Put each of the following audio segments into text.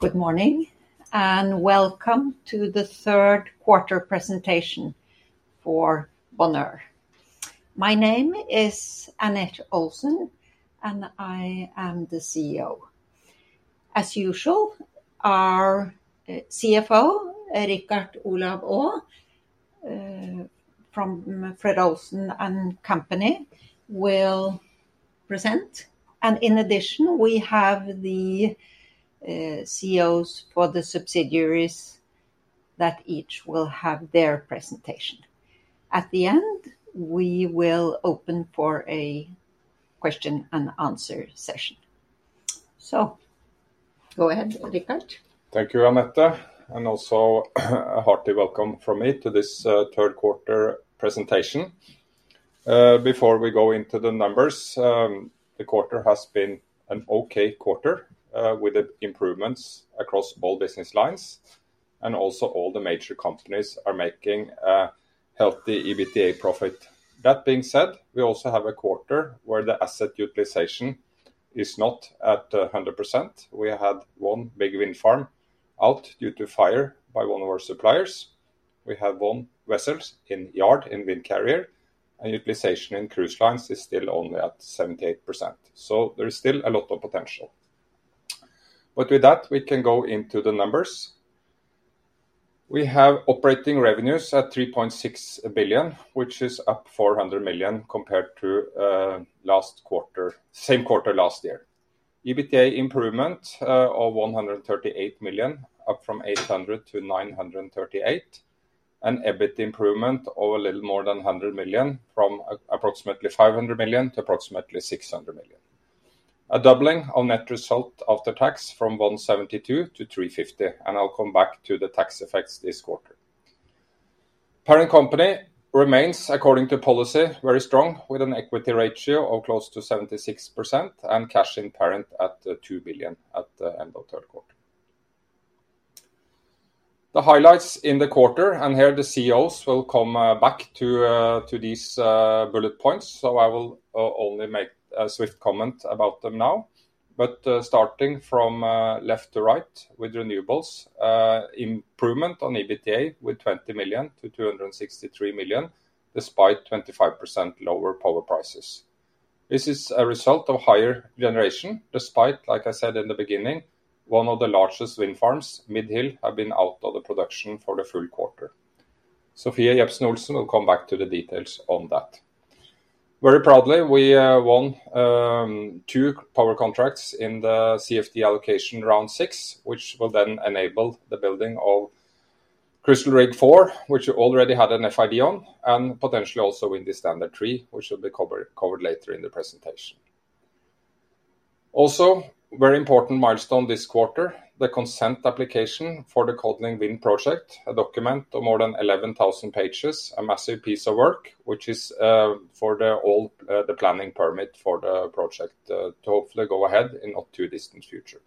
Good morning, and welcome to the Third Quarter Presentation for Bonheur. My name is Anette Olsen, and I am the CEO. As usual, our CFO, Richard Olav Aa from Fred. Olsen & Co., will present, and in addition, we have the CEOs for the subsidiaries, that each will have their presentation. At the end, we will open for a question and answer session. So go ahead, Richard. Thank you, Anette, and also, a hearty welcome from me to this, third quarter presentation. Before we go into the numbers, the quarter has been an okay quarter, with the improvements across all business lines, and also all the major companies are making a healthy EBITDA profit. That being said, we also have a quarter where the asset utilization is not at 100%. We had one big wind farm out due to fire by one of our suppliers. We have one vessels in yard in Windcarrier, and utilization in Cruise Lines is still only at 78%, so there is still a lot of potential. But with that, we can go into the numbers. We have operating revenues at 3.6 billion, which is up 400 million compared to last quarter, same quarter last year. EBITDA improvement of 138 million, up from 800 million to 938 million, and EBIT improvement of a little more than 100 million, from approximately 500 million to approximately 600 million. A doubling of net result after tax, from 172 million to 350 million, and I'll come back to the tax effects this quarter. Parent company remains, according to policy, very strong, with an equity ratio of close to 76% and cash in parent at 2 billion at the end of third quarter. The highlights in the quarter, and here, the CEOs will come back to these bullet points, so I will only make a swift comment about them now. Starting from left to right, with renewables, improvement on EBITDA, with 20 million-263 million, despite 25% lower power prices. This is a result of higher generation, despite, like I said in the beginning, one of the largest wind farms, Mid Hill, have been out of the production for the full quarter. Sofie Olsen Jebsen will come back to the details on that. Very proudly, we won two power contracts in the CfD Allocation Round 6, which will then enable the building of Crystal Rig IV, which we already had an FID on, and potentially also Windy Standard III, which will be covered later in the presentation. Also, very important milestone this quarter, the consent application for the Codling Wind Park, a document of more than 11,000 pages, a massive piece of work, which is for all the planning permit for the project, to hopefully go ahead in not too distant future.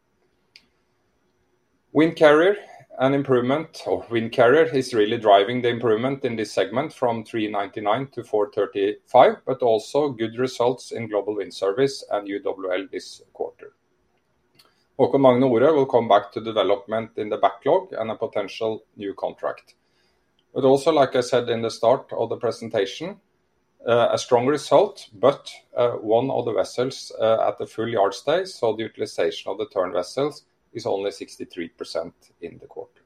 Windcarrier and improvement of Windcarrier is really driving the improvement in this segment from 399 to 435, but also good results in Global Wind Service and UWL this quarter. Haakon Magne Ore will come back to development in the backlog and a potential new contract. But also, like I said in the start of the presentation, a strong result, but one of the vessels at the full yard stay, so the utilization of the Tern vessels is only 63% in the quarter.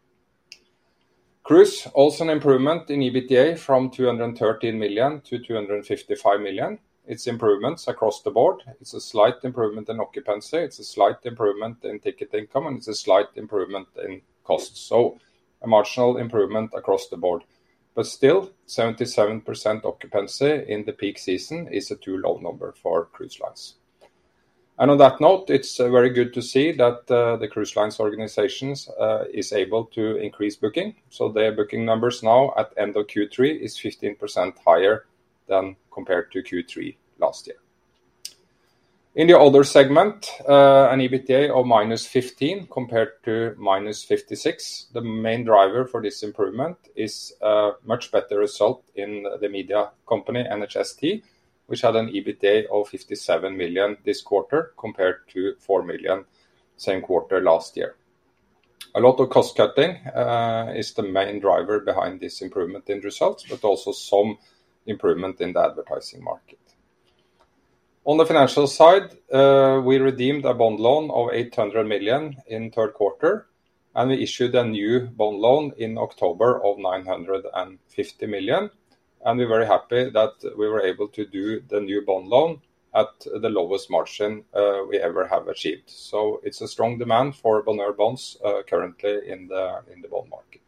Cruise, also an improvement in EBITDA from 213 million to 255 million. It's improvements across the board. It's a slight improvement in occupancy, it's a slight improvement in ticket income, and it's a slight improvement in costs. So a marginal improvement across the board, but still, 77% occupancy in the peak season is too low a number for Cruise Lines. And on that note, it's very good to see that the Cruise Lines organizations is able to increase booking. So their booking numbers now, at end of Q3, is 15% higher than compared to Q3 last year. In the other segment, an EBITDA of minus 15 million compared to minus 56 million. The main driver for this improvement is a much better result in the media company, NHST, which had an EBITDA of 57 million this quarter, compared to 4 million same quarter last year. A lot of cost cutting is the main driver behind this improvement in results, but also some improvement in the advertising market. On the financial side, we redeemed a bond loan of 800 million in third quarter, and we issued a new bond loan in October of 950 million, and we're very happy that we were able to do the new bond loan at the lowest margin we ever have achieved. It's a strong demand for Bonheur bonds currently in the bond market.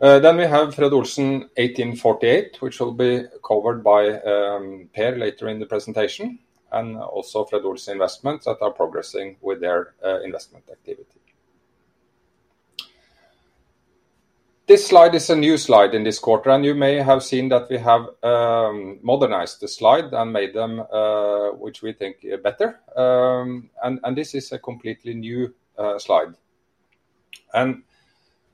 Then we have Fred. Olsen 1848, which will be covered by Per, later in the presentation, and also Fred. Olsen Investments that are progressing with their investment activity. This slide is a new slide in this quarter, and you may have seen that we have modernized the slide and made them which we think are better. And this is a completely new slide.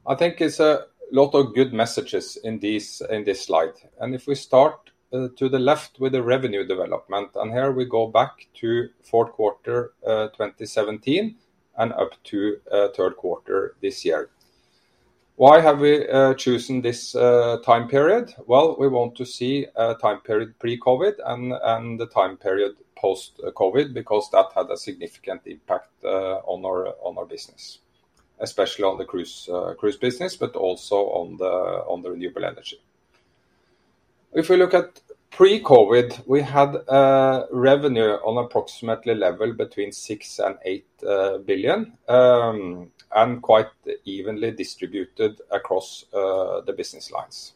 I think it's a lot of good messages in these, in this slide. If we start to the left with the revenue development, and here we go back to fourth quarter 2017 and up to third quarter this year. Why have we chosen this time period? Well, we want to see a time period pre-COVID and the time period post-COVID, because that had a significant impact on our business. Especially on the cruise business, but also on the renewable energy. If we look at pre-COVID, we had revenue on approximately level between 6 billion and 8 billion, and quite evenly distributed across the business lines.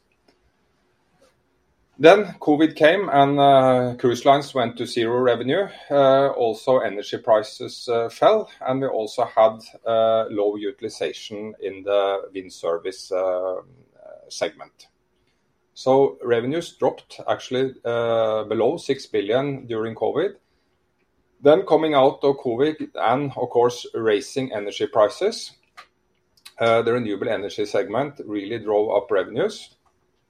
Then COVID came and Cruise Lines went to zero revenue. Also energy prices fell, and we also had low utilization in the wind service segment. So revenues dropped actually below 6 billion during COVID. Then coming out of COVID and, of course, rising energy prices, the renewable energy segment really drove up revenues,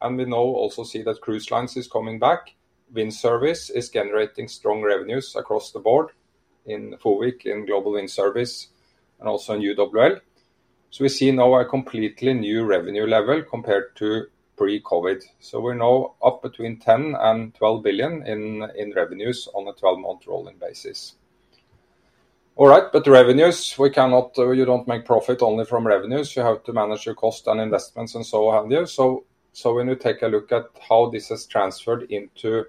and we now also see that Cruise Lines is coming back. Wind service is generating strong revenues across the board in Fred. Olsen Windcarrier, in Global Wind Service, and also in UWL. So we see now a completely new revenue level compared to pre-COVID. So we're now up between 10 billion and 12 billion in revenues on a 12-month rolling basis. All right, but the revenues, we cannot. You don't make profit only from revenues. You have to manage your cost and investments and so on. So, so when you take a look at how this has transferred into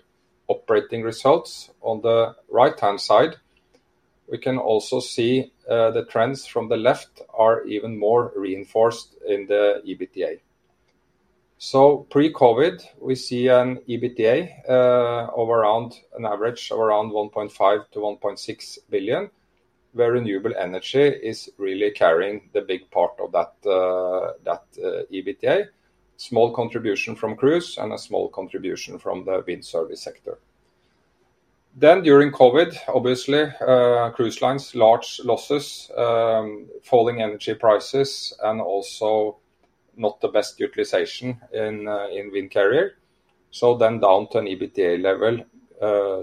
operating results, on the right-hand side, we can also see, the trends from the left are even more reinforced in the EBITDA. So pre-COVID, we see an EBITDA of around an average of around 1.5 billion-1.6 billion, where renewable energy is really carrying the big part of that EBITDA. Small contribution from cruise and a small contribution from the wind service sector. Then during COVID, obviously, Cruise Lines, large losses, falling energy prices and also not the best utilization in Windcarrier. So then down to an EBITDA level,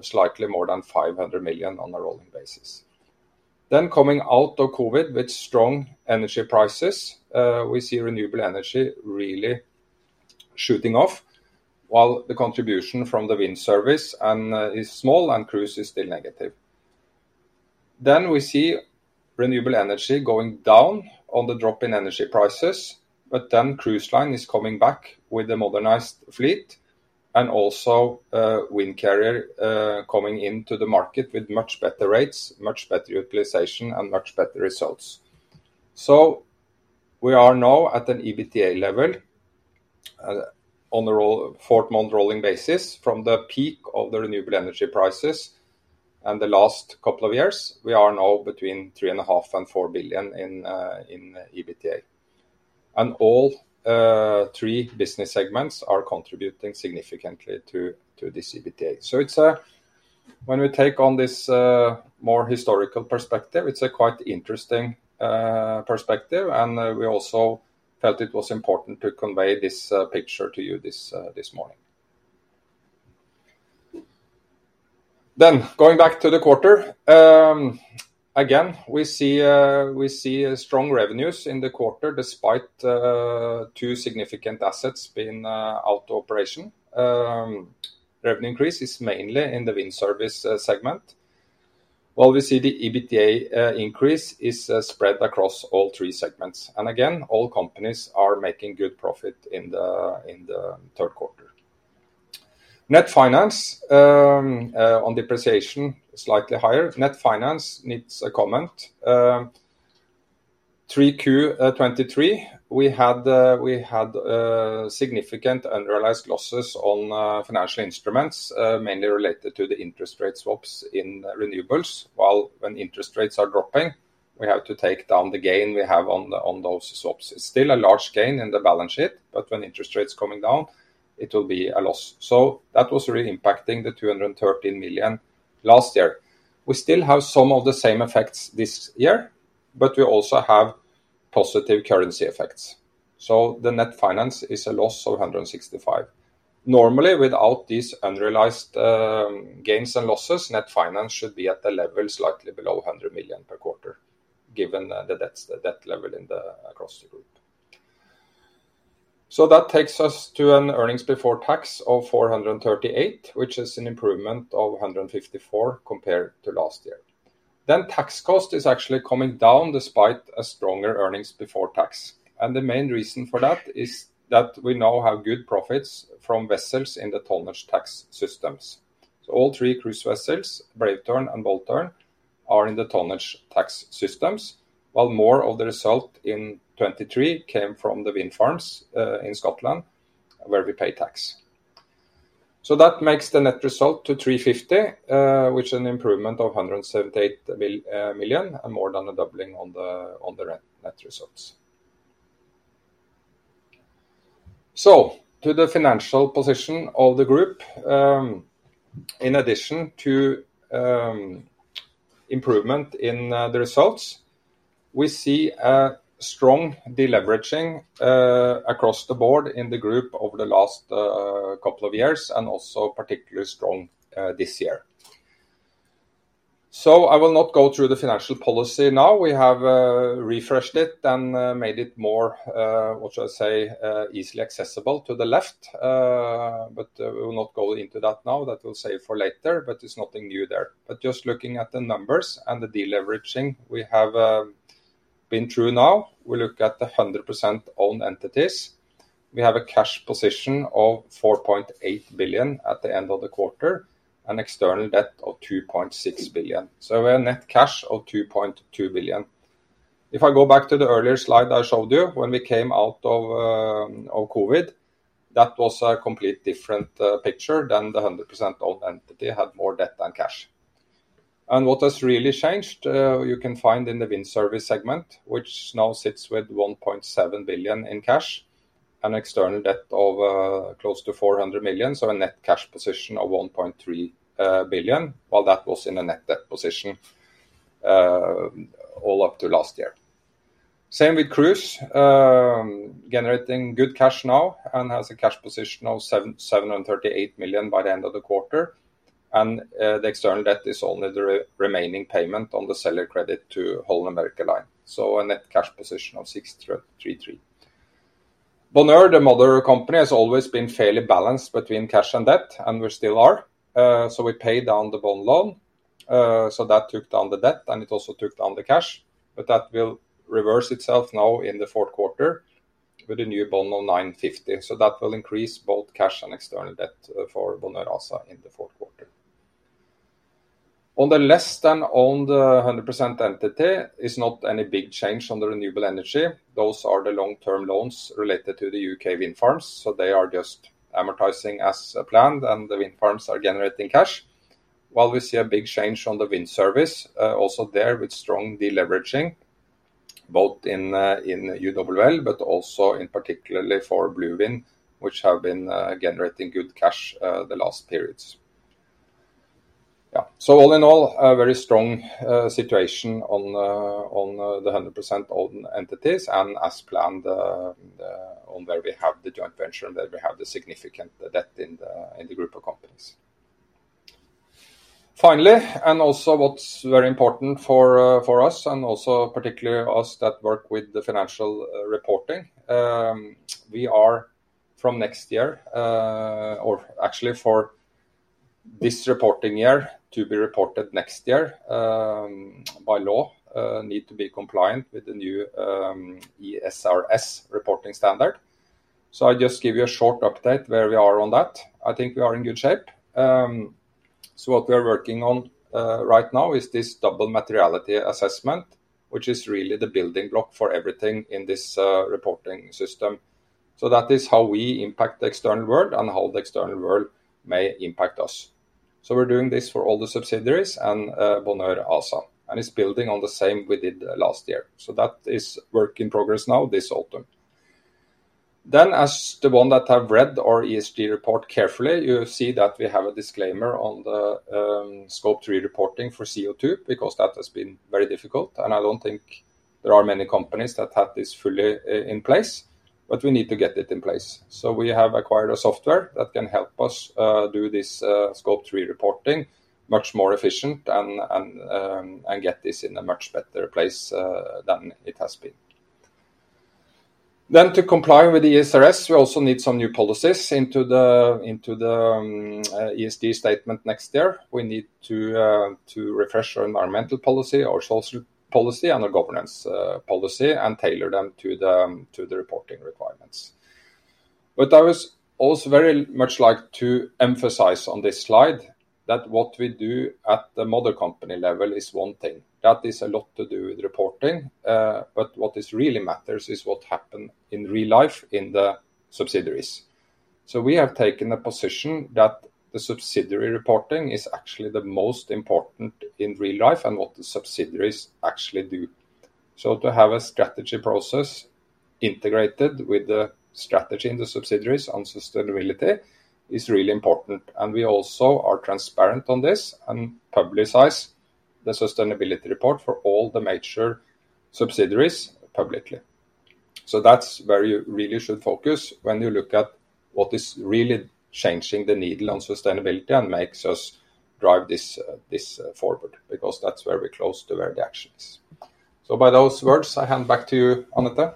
slightly more than 500 million on a rolling basis. Then coming out of COVID with strong energy prices, we see renewable energy really shooting off, while the contribution from the wind service and is small and cruise is still negative. Then we see renewable energy going down on the drop in energy prices, but then cruise line is coming back with a modernized fleet and also Windcarrier coming into the market with much better rates, much better utilization, and much better results. So we are now at an EBITDA level, on the rolling four-month basis from the peak of the renewable energy prices and the last couple of years, we are now between 3.5 billion and 4 billion in EBITDA. And all three business segments are contributing significantly to this EBITDA. So it's when we take on this more historical perspective, it's a quite interesting perspective, and we also felt it was important to convey this picture to you this morning. Then going back to the quarter, again, we see a strong revenues in the quarter, despite two significant assets being out of operation. Revenue increase is mainly in the wind service segment, while we see the EBITDA increase is spread across all three segments. And again, all companies are making good profit in the third quarter. Net finance on depreciation, slightly higher. Net finance needs a comment. 3Q 2023, we had significant unrealized losses on financial instruments, mainly related to the interest rate swaps in renewables. Well, when interest rates are dropping, we have to take down the gain we have on those swaps. It's still a large gain in the balance sheet, but when interest rates coming down, it will be a loss. So that was really impacting the 213 million last year. We still have some of the same effects this year, but we also have positive currency effects. So the net finance is a loss of 165 million. Normally, without these unrealized gains and losses, net finance should be at a level slightly below 100 million per quarter, given the debt level across the group. So that takes us to an earnings before tax of 438 million, which is an improvement of 154 million compared to last year. Then tax cost is actually coming down, despite a stronger earnings before tax, and the main reason for that is that we now have good profits from vessels in the tonnage tax systems. So all three cruise vessels, Brave Tern and Bold Tern, are in the tonnage tax systems, while more of the result in 2023 came from the wind farms in Scotland, where we pay tax. So that makes the net result to 350 million, which is an improvement of 178 million, and more than a doubling on the net results. To the financial position of the group, in addition to improvement in the results, we see a strong deleveraging across the board in the group over the last couple of years, and also particularly strong this year. I will not go through the financial policy now. We have refreshed it and made it more, what should I say, easily accessible to the left. We will not go into that now. That we'll save for later, but there's nothing new there. Just looking at the numbers and the deleveraging we have been through now, we look at the 100% owned entities. We have a cash position of 4.8 billion at the end of the quarter, and external debt of 2.6 billion. So a net cash of 2.2 billion. If I go back to the earlier slide I showed you, when we came out of of COVID, that was a complete different picture than the 100% owned entity, had more debt than cash. And what has really changed, you can find in the wind service segment, which now sits with 1.7 billion in cash, an external debt of close to 400 million, so a net cash position of 1.3 billion, while that was in a net debt position all up to last year. Same with Cruise, generating good cash now and has a cash position of 738 million by the end of the quarter. And the external debt is only the remaining payment on the seller credit to Holland America Line. A net cash position of 633 million. Bonheur, the mother company, has always been fairly balanced between cash and debt, and we still are. So we paid down the bond loan, so that took down the debt, and it also took down the cash, but that will reverse itself now in the fourth quarter with a new bond of 950 million. So that will increase both cash and external debt for Bonheur ASA in the fourth quarter. On the less than 100%-owned entities, there is not any big change on the renewable energy. Those are the long-term loans related to the U.K. wind farms, so they are just amortizing as planned, and the wind farms are generating cash. While we see a big change on the wind service, also there with strong deleveraging, both in UWL, but also particularly for Blue Wind, which have been generating good cash, the last periods. Yeah. So all in all, a very strong situation on the 100% owned entities, and as planned, on where we have the joint venture, and where we have the significant debt in the group of companies. Finally, and also what's very important for us, and also particularly us that work with the financial reporting, we are from next year, or actually for this reporting year to be reported next year, by law, need to be compliant with the new ESRS reporting standard. So I'll just give you a short update where we are on that. I think we are in good shape. So what we are working on right now is this Double Materiality Assessment, which is really the building block for everything in this reporting system. So that is how we impact the external world and how the external world may impact us. So we're doing this for all the subsidiaries and Bonheur ASA, and it's building on the same we did last year. So that is work in progress now, this autumn. Then, as the one that have read our ESG report carefully, you see that we have a disclaimer on the Scope 3 reporting for CO2, because that has been very difficult, and I don't think there are many companies that have this fully in place, but we need to get it in place. So we have acquired a software that can help us do this Scope 3 reporting much more efficient and get this in a much better place than it has been. Then to comply with the ESRS, we also need some new policies into the ESG statement next year. We need to refresh our environmental policy, our social policy, and our governance policy, and tailor them to the reporting requirements. But I would also very much like to emphasize on this slide that what we do at the mother company level is one thing. That is a lot to do with reporting, but what really matters is what happens in real life in the subsidiaries. So we have taken a position that the subsidiary reporting is actually the most important in real life and what the subsidiaries actually do. So to have a strategy process integrated with the strategy in the subsidiaries on sustainability is really important, and we also are transparent on this and publicize the sustainability report for all the major subsidiaries publicly. So that's where you really should focus when you look at what is really changing the needle on sustainability and makes us drive this this forward, because that's very close to where the action is. So by those words, I hand back to you, Anette.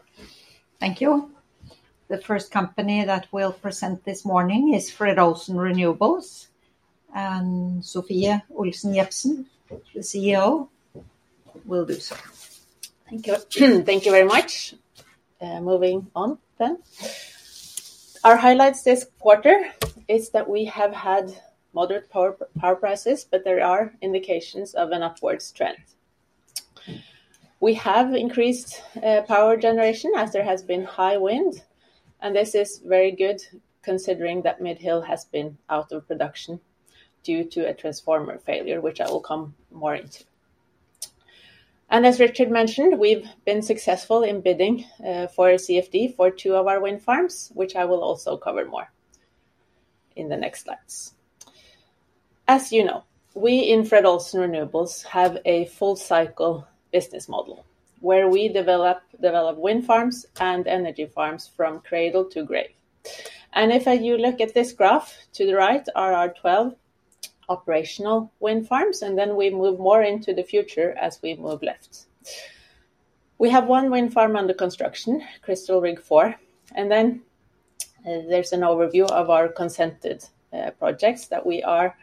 Thank you. The first company that will present this morning is Fred. Olsen Renewables, and Sofie Olsen Jebsen, the CEO, will do so. Thank you. Thank you very much. Moving on then. Our highlights this quarter is that we have had moderate power prices, but there are indications of an upwards trend. We have increased power generation as there has been high wind, and this is very good considering that Mid Hill has been out of production due to a transformer failure, which I will come more into, and as Richard mentioned, we've been successful in bidding for a CfD for two of our wind farms, which I will also cover more in the next slides. As you know, we in Fred. Olsen Renewables have a full cycle business model, where we develop wind farms and energy farms from cradle to grave, and if you look at this graph, to the right are our 12 operational wind farms, and then we move more into the future as we move left. We have one wind farm under construction, Crystal Rig IV, and then, there's an overview of our consented projects that we are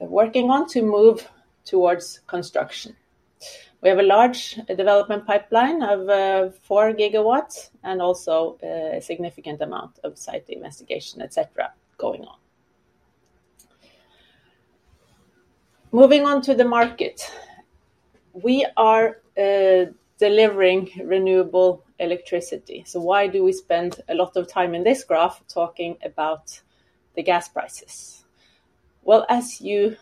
working on to move towards construction. We have a large development pipeline of four gigawatts, and also a significant amount of site investigation, et cetera, going on. Moving on to the market. We are delivering renewable electricity, so why do we spend a lot of time in this graph talking about the gas prices? Well, as you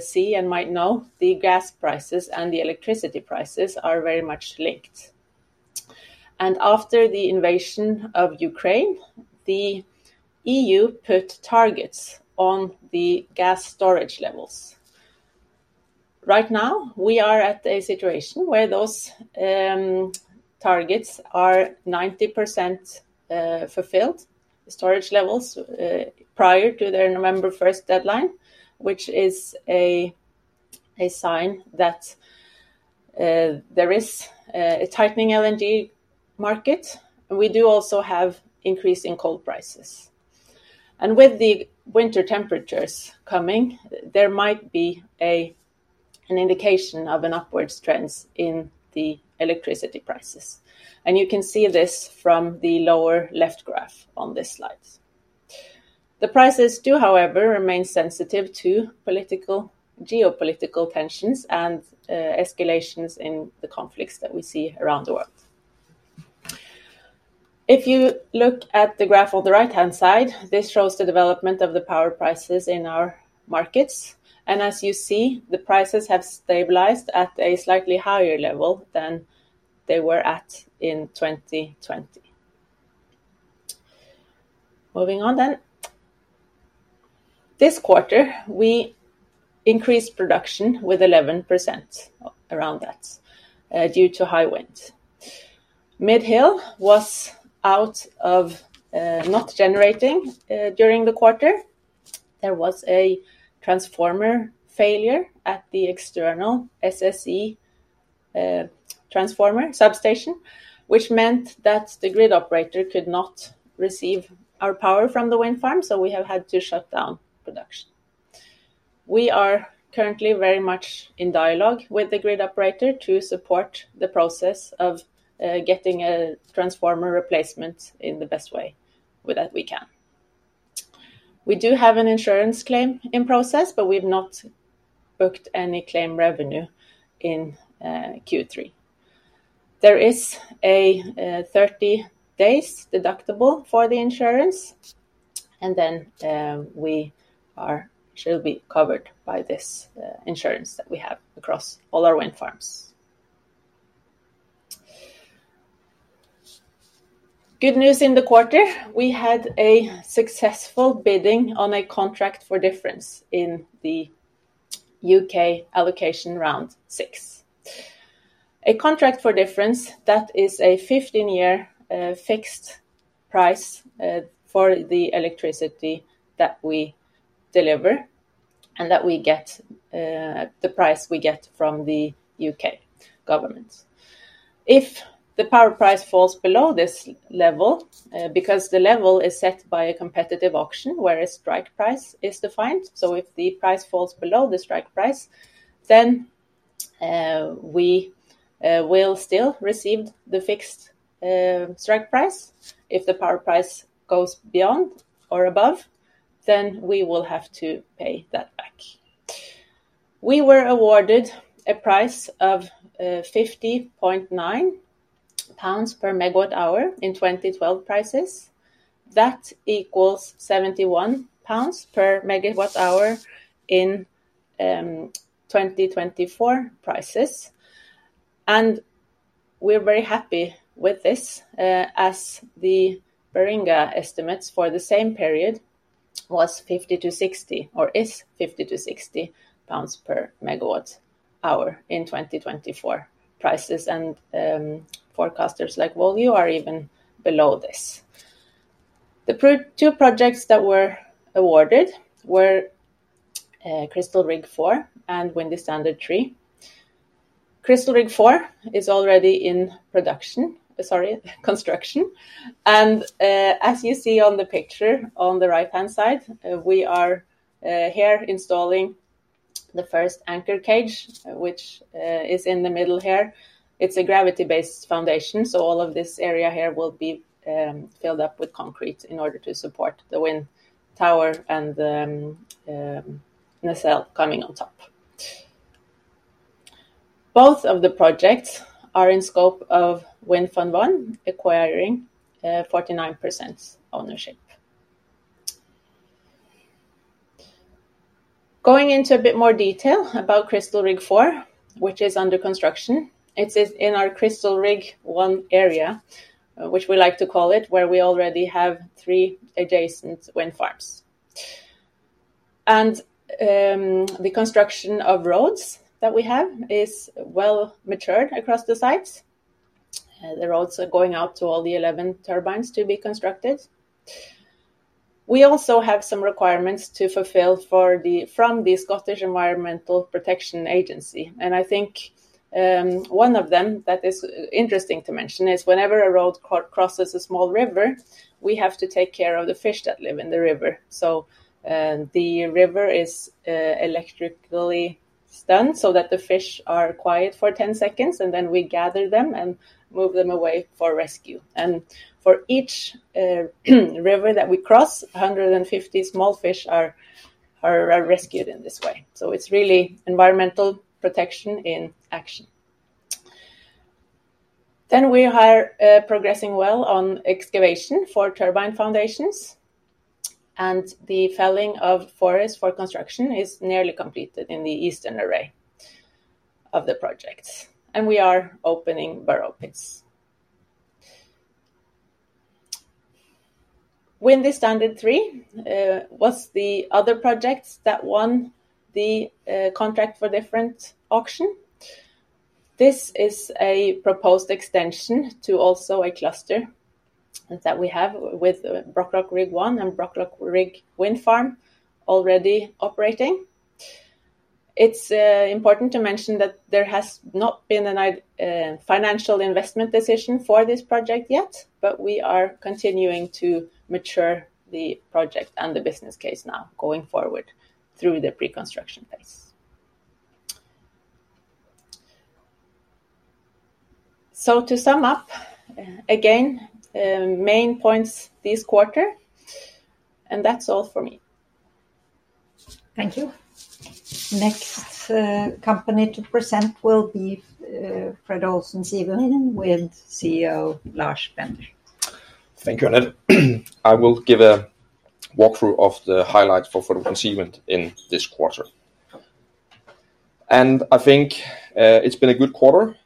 see and might know, the gas prices and the electricity prices are very much linked. And after the invasion of Ukraine, the EU put targets on the gas storage levels. Right now, we are at a situation where those targets are 90% fulfilled, the storage levels prior to their November first deadline, which is a sign that there is a tightening LNG market. We do also have increasing coal prices. And with the winter temperatures coming, there might be an indication of an upward trend in the electricity prices. And you can see this from the lower left graph on this slide. The prices do, however, remain sensitive to geopolitical tensions and escalations in the conflicts that we see around the world. If you look at the graph on the right-hand side, this shows the development of the power prices in our markets. And as you see, the prices have stabilized at a slightly higher level than they were at in 2020. Moving on then. This quarter, we increased production with 11%, around that, due to high wind. Mid Hill was out of, not generating, during the quarter. There was a transformer failure at the external SSE, transformer substation, which meant that the grid operator could not receive our power from the wind farm, so we have had to shut down production. We are currently very much in dialogue with the grid operator to support the process of, getting a transformer replacement in the best way that we can. We do have an insurance claim in process, but we've not booked any claim revenue in, Q3. There is a, 30 days deductible for the insurance, and then, we should be covered by this, insurance that we have across all our wind farms. Good news in the quarter, we had a successful bidding on a contract for difference in the U.K. Allocation Round 6. A contract for difference, that is a 15-year fixed price for the electricity that we deliver, and that we get the price we get from the U.K. government. If the power price falls below this level, because the level is set by a competitive auction, where a strike price is defined. So if the price falls below the strike price, then we will still receive the fixed strike price. If the power price goes beyond or above, then we will have to pay that back. We were awarded a price of 50.9 pounds per megawatt hour in 2012 prices. That equals GBP 71 per megawatt hour in 2024 prices. And we're very happy with this, as the Baringa estimates for the same period was 50- 60 per megawatt hour in 2024 prices, and forecasters like [Volue] are even below this. The two projects that were awarded were Crystal Rig IV and Windy Standard III. Crystal Rig IV is already in production, sorry, construction, and as you see on the picture on the right-hand side, we are here installing the first anchor cage, which is in the middle here. It's a gravity-based foundation, so all of this area here will be filled up with concrete in order to support the wind tower and the nacelle coming on top. Both of the projects are in scope of Wind Fund I, acquiring 49% ownership. Going into a bit more detail about Crystal Rig IV, which is under construction. It is in our Crystal Rig I area, which we like to call it, where we already have three adjacent wind farms, and the construction of roads that we have is well matured across the sites. The roads are going out to all the 11 turbines to be constructed. We also have some requirements to fulfill for the, from the Scottish Environment Protection Agency, and I think one of them that is interesting to mention is whenever a road crosses a small river, we have to take care of the fish that live in the river, so the river is electrically stunned so that the fish are quiet for 10 seconds, and then we gather them and move them away for rescue. For each river that we cross, 150 small fish are rescued in this way. So it's really environmental protection in action. Then we are progressing well on excavation for turbine foundations, and the felling of forest for construction is nearly completed in the eastern array of the project, and we are opening borrow pits. Windy Standard III was the other project that won the contract for difference auction. This is a proposed extension to also a cluster that we have with Brockloch Rig I and Brockloch Rig Wind Farm already operating. It's important to mention that there has not been a financial investment decision for this project yet, but we are continuing to mature the project and the business case now going forward through the preconstruction phase. So, to sum up, again, main points this quarter, and that's all for me. Thank you. Next, company to present will be Fred. Olsen Seawind with CEO Lars Bender. Thank you, Anette. I will give a walkthrough of the highlights for Fred. Olsen Seawind in this quarter, and I think, it's been a good quarter,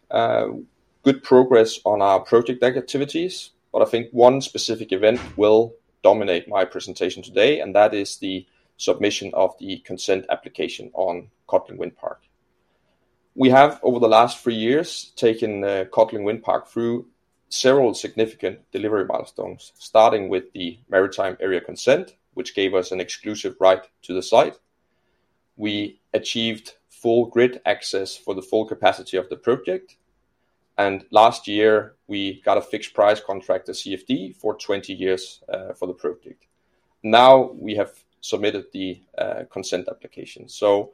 good progress on our project activities, but I think one specific event will dominate my presentation today, and that is the submission of the consent application on Codling Wind Park. We have, over the last three years, taken Codling Wind Park through several significant delivery milestones, starting with the Maritime Area Consent, which gave us an exclusive right to the site. We achieved full grid access for the full capacity of the project, and last year, we got a fixed price contract, the CfD, for 20 years, for the project. Now, we have submitted the consent application, so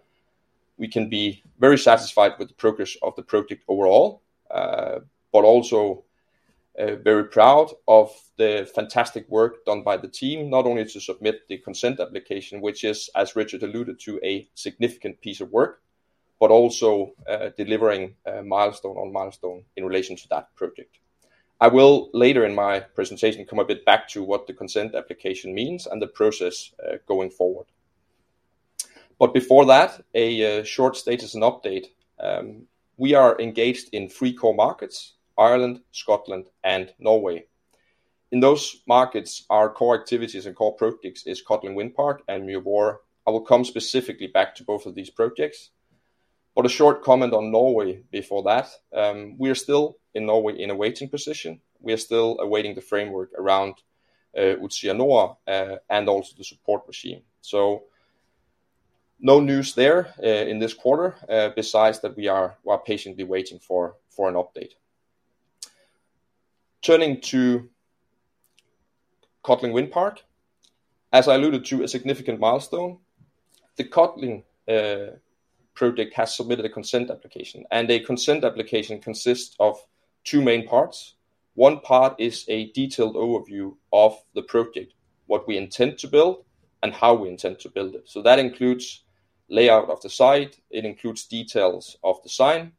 we can be very satisfied with the progress of the project overall, but also, very proud of the fantastic work done by the team, not only to submit the consent application, which is, as Richard alluded to, a significant piece of work, but also, delivering milestone on milestone in relation to that project. I will, later in my presentation, come a bit back to what the consent application means and the process, going forward. But before that, a short status and update. We are engaged in three core markets: Ireland, Scotland, and Norway. In those markets, our core activities and core projects is Codling Wind Park and Muir Mhòr. I will come specifically back to both of these projects. But a short comment on Norway before that. We are still in Norway in a waiting position. We are still awaiting the framework around Utsira Nord and also the support regime. So no news there in this quarter, besides that, we are patiently waiting for an update. Turning to Codling Wind Park. As I alluded to, a significant milestone, the Codling project has submitted a consent application, and a consent application consists of two main parts. One part is a detailed overview of the project, what we intend to build, and how we intend to build it. So that includes layout of the site, it includes details of design.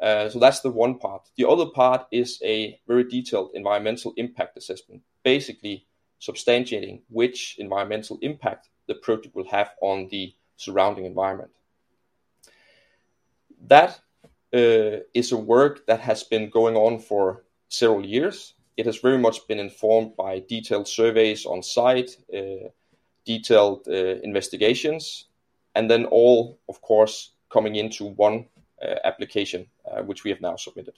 So that's the one part. The other part is a very detailed environmental impact assessment, basically substantiating which environmental impact the project will have on the surrounding environment. That is a work that has been going on for several years. It has very much been informed by detailed surveys on site, detailed investigations, and then all, of course, coming into one application, which we have now submitted.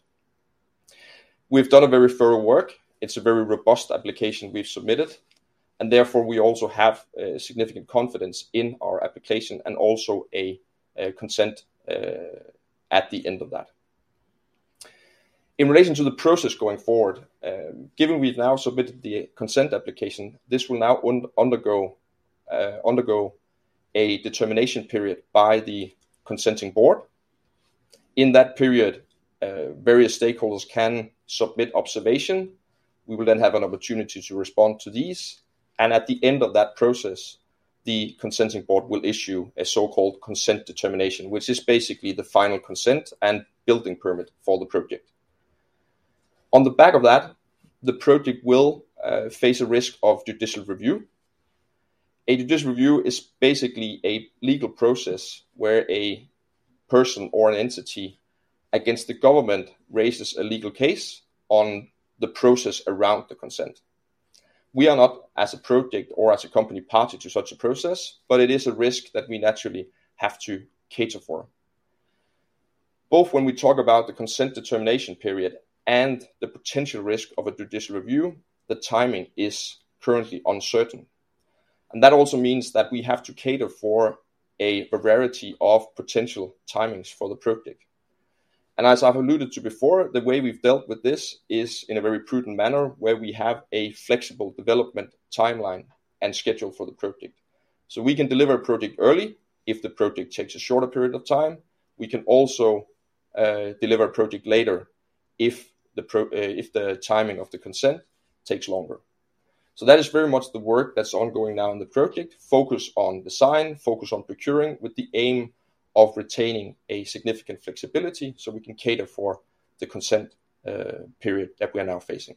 We've done a very thorough work. It's a very robust application we've submitted, and therefore, we also have significant confidence in our application and also a consent at the end of that. In relation to the process going forward, given we've now submitted the consent application, this will now undergo a determination period by the consenting board. In that period, various stakeholders can submit observation. We will then have an opportunity to respond to these, and at the end of that process, the consenting board will issue a so-called consent determination, which is basically the final consent and building permit for the project. On the back of that, the project will face a risk of Judicial Review. A Judicial Review is basically a legal process where a person or an entity against the government raises a legal case on the process around the consent. We are not, as a project or as a company, party to such a process, but it is a risk that we naturally have to cater for. Both when we talk about the consent determination period and the potential risk of a Judicial Review, the timing is currently uncertain, and that also means that we have to cater for a variety of potential timings for the project, and as I've alluded to before, the way we've dealt with this is in a very prudent manner, where we have a flexible development timeline and schedule for the project. So we can deliver a project early, if the project takes a shorter period of time. We can also deliver a project later if the timing of the consent takes longer. So that is very much the work that's ongoing now in the project. Focus on design, focus on procuring, with the aim of retaining a significant flexibility so we can cater for the consent period that we are now facing.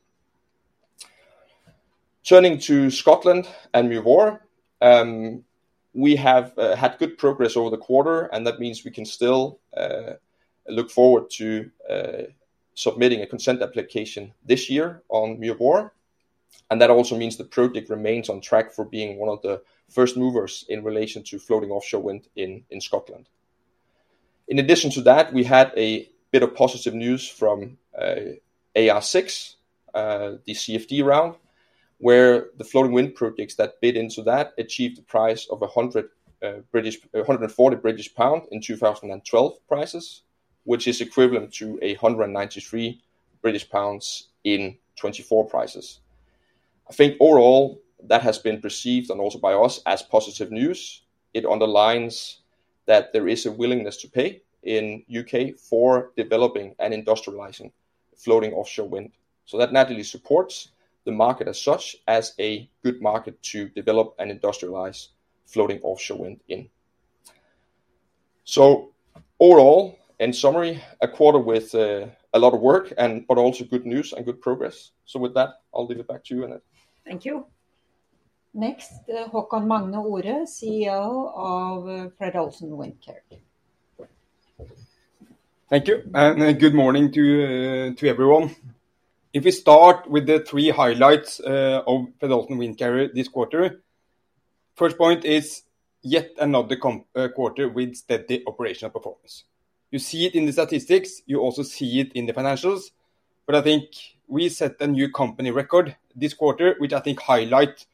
Turning to Scotland and Muir Mhòr, we have had good progress over the quarter, and that means we can still look forward to submitting a consent application this year on Muir Mhòr. And that also means the project remains on track for being one of the first movers in relation to floating offshore wind in Scotland. In addition to that, we had a bit of positive news from AR6, the CfD round, where the floating wind projects that bid into that achieved a price of 140 British pound in 2012 prices, which is equivalent to 193 British pounds in 2024 prices. I think overall, that has been perceived, and also by us, as positive news. It underlines that there is a willingness to pay in U.K. for developing and industrializing floating offshore wind. So that naturally supports the market as such, as a good market to develop and industrialize floating offshore wind in. So overall, in summary, a quarter with a lot of work and, but also good news and good progress. So with that, I'll leave it back to you, Anette. Thank you. Next, Haakon Magne Ore, CEO of Fred. Olsen Windcarrier. Thank you, and, good morning to everyone. If we start with the three highlights of Fred. Olsen Windcarrier this quarter, first point is, yet another quarter with steady operational performance. You see it in the statistics, you also see it in the financials, but I think we set a new company record this quarter, which I think highlight the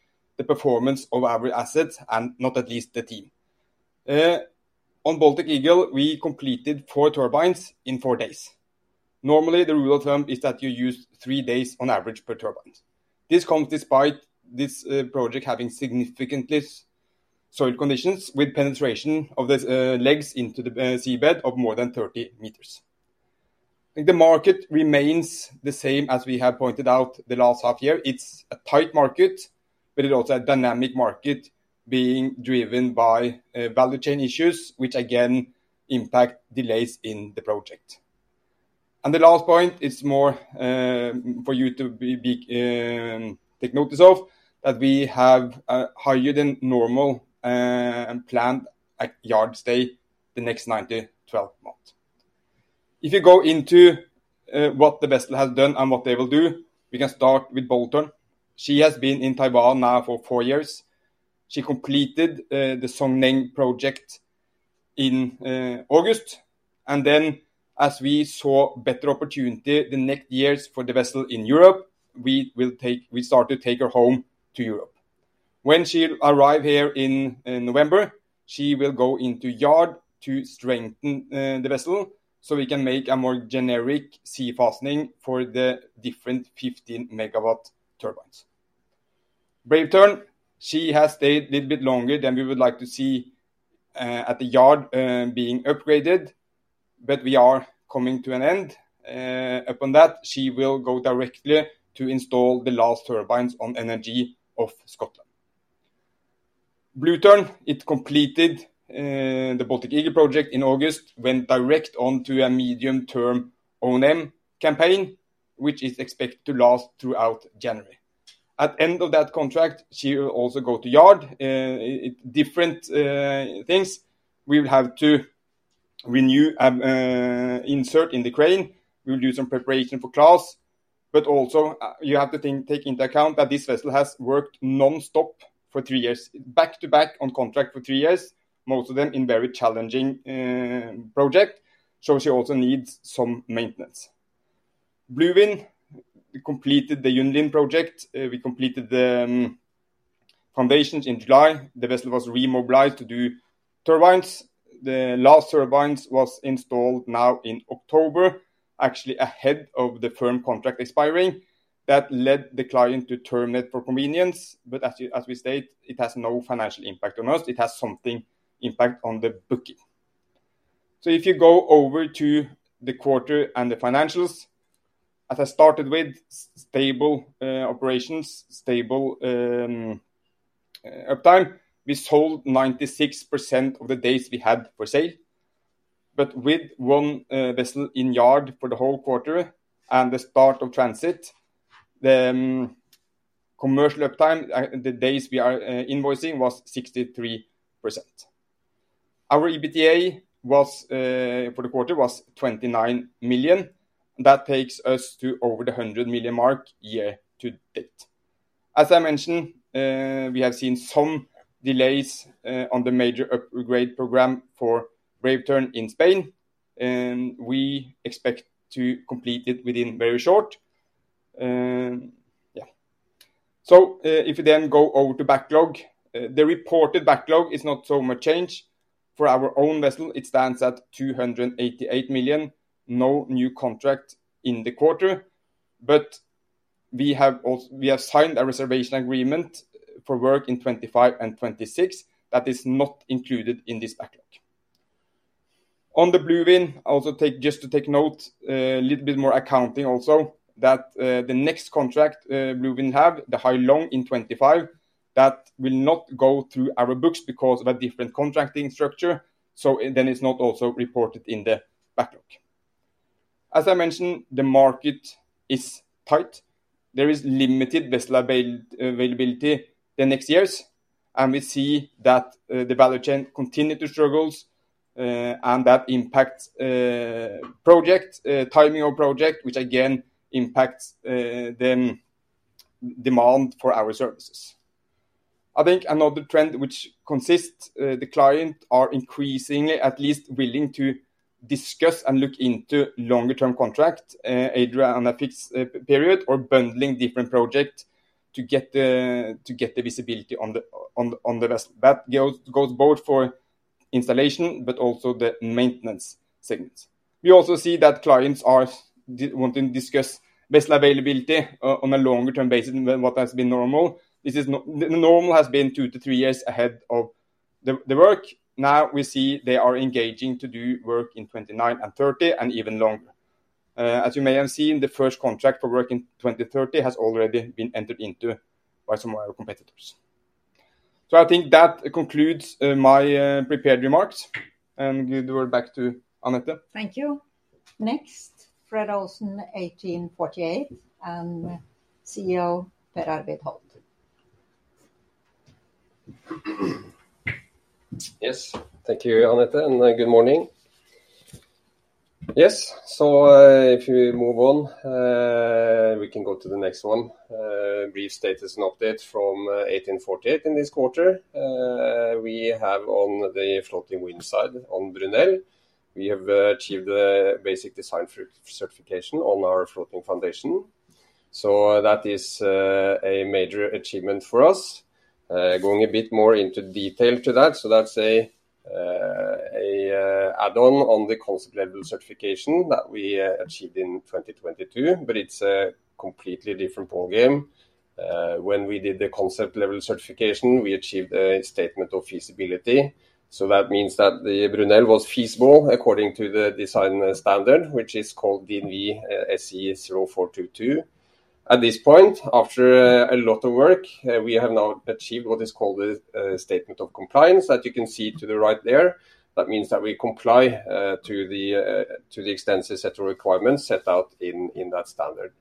performance of our assets and not least the team. On Baltic Eagle, we completed four turbines in four days. Normally, the rule of thumb is that you use three days on average per turbine. This comes despite this project having significant soil conditions, with penetration of the legs into the seabed of more than 30 meters. I think the market remains the same as we have pointed out the last half year. It's a tight market, but it's also a dynamic market being driven by value chain issues, which again, impact delays in the project, and the last point is more for you to take notice of, that we have a higher than normal planned yard stay the next 9-12 months. If you go into what the vessel has done and what they will do, we can start with Bold Tern. She has been in Taiwan now for four years. She completed the Zhong Neng project in August, and then as we saw better opportunity the next years for the vessel in Europe, we will start to take her home to Europe. When she arrive here in November, she will go into yard to strengthen the vessel, so we can make a more generic sea fastening for the different 15 MW turbines. Brave Tern, she has stayed a little bit longer than we would like to see at the yard being upgraded, but we are coming to an end. Upon that, she will go directly to install the last turbines at Beatrice off Scotland. Blue Tern, it completed the Baltic Eagle project in August, went direct onto a medium-term O&M campaign, which is expected to last throughout January. At end of that contract, she will also go to yard. Different things, we will have to renew insert in the crane. We will do some preparation for Class, but also, you have to take into account that this vessel has worked nonstop for three years, back to back on contract for three years, most of them in very challenging project, so she also needs some maintenance. Blue Wind completed the Yunlin project. We completed the foundations in July. The vessel was remobilized to do turbines. The last turbines was installed now in October, actually ahead of the firm contract expiring. That led the client to terminate for convenience, but as we, as we stated, it has no financial impact on us. It has something impact on the booking. So if you go over to the quarter and the financials, as I started with, stable operations, stable uptime. We sold 96% of the days we had for sale. But with one vessel in yard for the whole quarter and the start of transit, the commercial uptime, the days we are invoicing was 63%. Our EBITDA was for the quarter 29 million. That takes us to over the 100 million mark year to date. As I mentioned, we have seen some delays on the major upgrade program for Bold Tern in Spain, and we expect to complete it within very short. So, if you then go over to backlog, the reported backlog is not so much change. For our own vessel, it stands at 288 million. No new contract in the quarter, but we have signed a reservation agreement for work in 2025 and 2026. That is not included in this backlog. On the Blue Wind, also take just to take note a little bit more accounting also that the next contract Blue Wind have the Hai Long in 2025 that will not go through our books because of a different contracting structure so then it's not also reported in the backlog. As I mentioned the market is tight. There is limited vessel availability the next years and we see that the value chain continue to struggles and that impacts project timing of project which again impacts the demand for our services. I think another trend which consists the client are increasingly at least willing to discuss and look into longer-term contract either on a fixed period or bundling different project to get the visibility on the vessel. That goes both for installation, but also the maintenance segments. We also see that clients are wanting to discuss vessel availability on a longer term basis than what has been normal. Normal has been two to three years ahead of the work. Now, we see they are engaging to do work in 2029 and 2030, and even longer. As you may have seen, the first contract for work in 2030 has already been entered into by some of our competitors. I think that concludes my prepared remarks, and give the word back to Anette. Thank you. Next, Fred. Olsen 1848, and CEO, Per Arvid Holth. Yes. Thank you, Anette, and good morning. Yes, so if you move on, we can go to the next one. Brief status and update from 1848 in this quarter. We have on the floating wind side, on Brunel, we have achieved the Basic Design Certificate on our floating foundation. So, that is a major achievement for us. Going a bit more into detail to that, so that's an add-on on the concept level certification that we achieved in 2022, but it's a completely different ballgame. When we did the concept level certification, we achieved a statement of feasibility. So that means that the Brunel was feasible according to the design standard, which is called DNV-SE-0422. At this point, after a lot of work, we have now achieved what is called a Statement of Compliance that you can see to the right there. That means that we comply to the extensive set of requirements set out in that standard.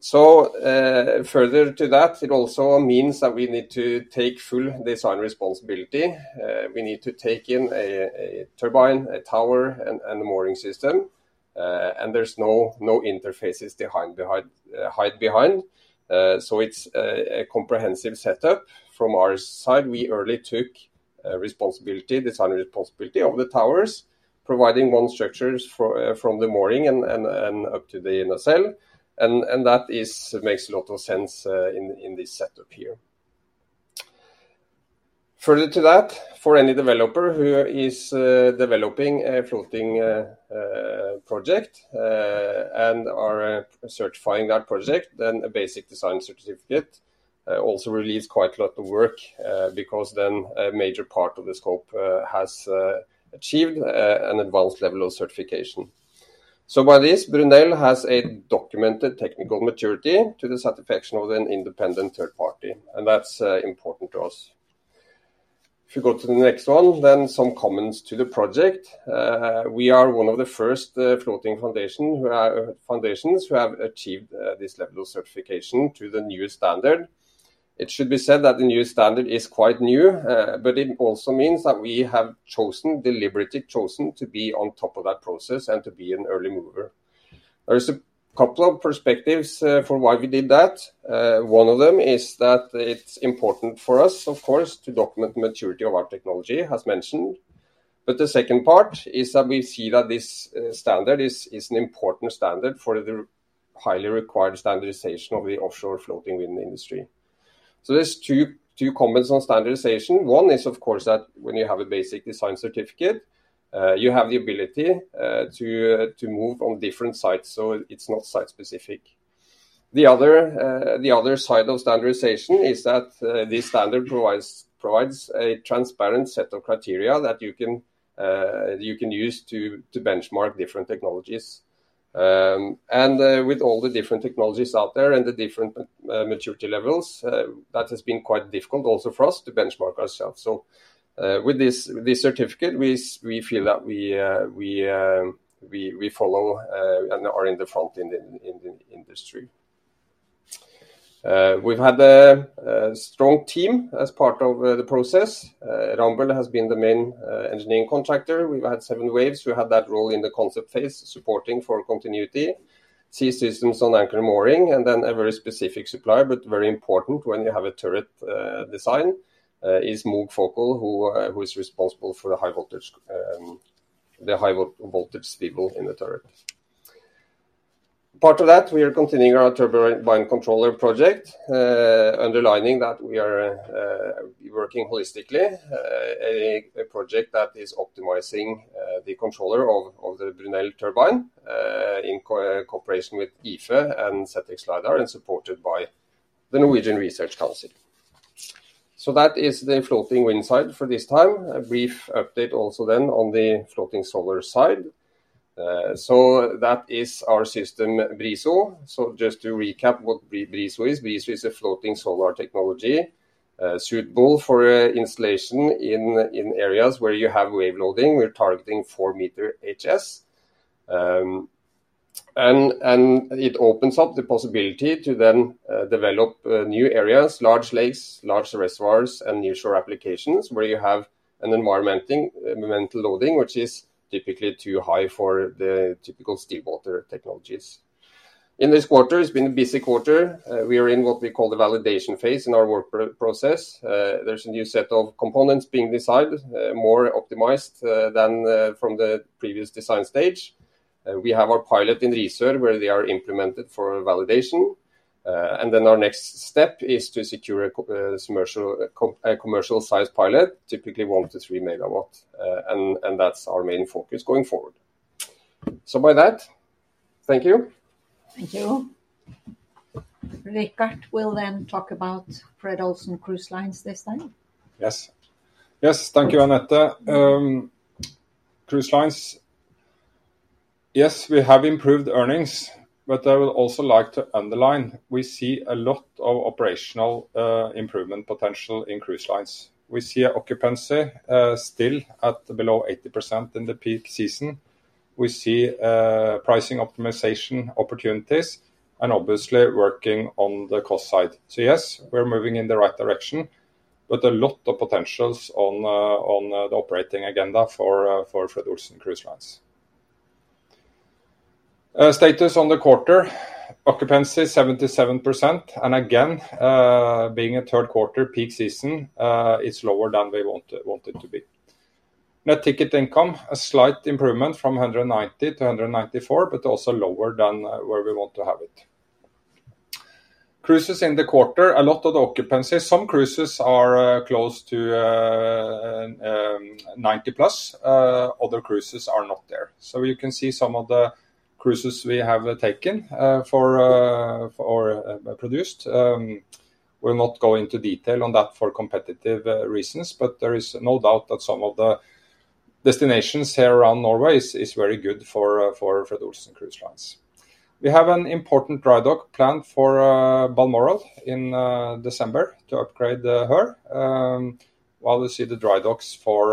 So further to that, it also means that we need to take full design responsibility. We need to take in a turbine, a tower, and a mooring system, and there's no interfaces to hide behind. So it's a comprehensive setup. From our side, we early took responsibility, design responsibility of the towers, providing own structures from the mooring and up to the nacelle, and that makes a lot of sense in this setup here. Further to that, for any developer who is developing a floating project and are certifying that project, then a Basic Design Certificate also relieves quite a lot of work, because then a major part of the scope has achieved an advanced level of certification. So by this, Brunel has a documented technical maturity to the satisfaction of an independent third party, and that's important to us. If you go to the next one, then some comments to the project. We are one of the first floating foundation foundations who have achieved this level of certification to the new standard. It should be said that the new standard is quite new, but it also means that we have chosen, deliberately chosen, to be on top of that process and to be an early mover. There is a couple of perspectives for why we did that. One of them is that it's important for us, of course, to document the maturity of our technology, as mentioned. But the second part is that we see that this standard is an important standard for the highly required standardization of the offshore floating wind industry. So there's two comments on standardization. One is, of course, that when you have a basic design certificate, you have the ability to move on different sites, so it's not site specific. The other side of standardization is that the standard provides a transparent set of criteria that you can use to benchmark different technologies. And, with all the different technologies out there and the different maturity levels, that has been quite difficult also for us to benchmark ourselves. So, with this certificate, we feel that we follow and are in the front in the industry. We've had a strong team as part of the process. Ramboll has been the main engineering contractor. We've had 7Waves, who had that role in the concept phase, supporting for continuity. Seasystems on anchor mooring, and then a very specific supplier, but very important when you have a turret design, is Moog Focal, who is responsible for the high voltage, the high-voltage swivel in the turret. Part of that, we are continuing our turbine controller project, underlining that we are working holistically, a project that is optimizing the controller of the Brunel turbine in cooperation with IFE and ZX Lidars, and supported by the Norwegian Research Council. So that is the floating wind side for this time. A brief update also then on the floating solar side. So that is our system, BRIZO. So just to recap what BRIZO is, BRIZO is a floating solar technology suitable for installation in areas where you have wave loading. We're targeting 4 meter Hs. And it opens up the possibility to then develop new areas, large lakes, large reservoirs, and nearshore applications where you have an environmental loading, which is typically too high for the typical still water technologies. In this quarter, it's been a busy quarter. We are in what we call the validation phase in our work process. There's a new set of components being designed, more optimized than from the previous design stage. We have our pilot in Risør, where they are implemented for validation. And then our next step is to secure a commercial size pilot, typically 1 to 3 MW. And that's our main focus going forward. So with that, thank you. Thank you. Richard will then talk about Fred. Olsen Cruise Lines this time. Yes, thank you, Anette. Cruise Lines. Yes, we have improved earnings, but I would also like to underline we see a lot of operational improvement potential in Cruise Lines. We see a occupancy still at below 80% in the peak season. We see pricing optimization opportunities, and obviously working on the cost side. So yes, we're moving in the right direction, but a lot of potentials on the operating agenda for Fred. Olsen Cruise Lines. Status on the quarter, occupancy 77%, and again, being a third quarter peak season, it's lower than we want it to be. Net ticket income, a slight improvement from 190 million to 194 million, but also lower than where we want to have it. Cruises in the quarter, a lot of the occupancy, some cruises are close to +90. Other cruises are not there. So you can see some of the cruises we have taken for produced. We'll not go into detail on that for competitive reasons, but there is no doubt that some of the destinations here around Norway is very good for Fred. Olsen Cruise Lines. We have an important dry dock planned for Balmoral in December to upgrade the hull. While we see the dry docks for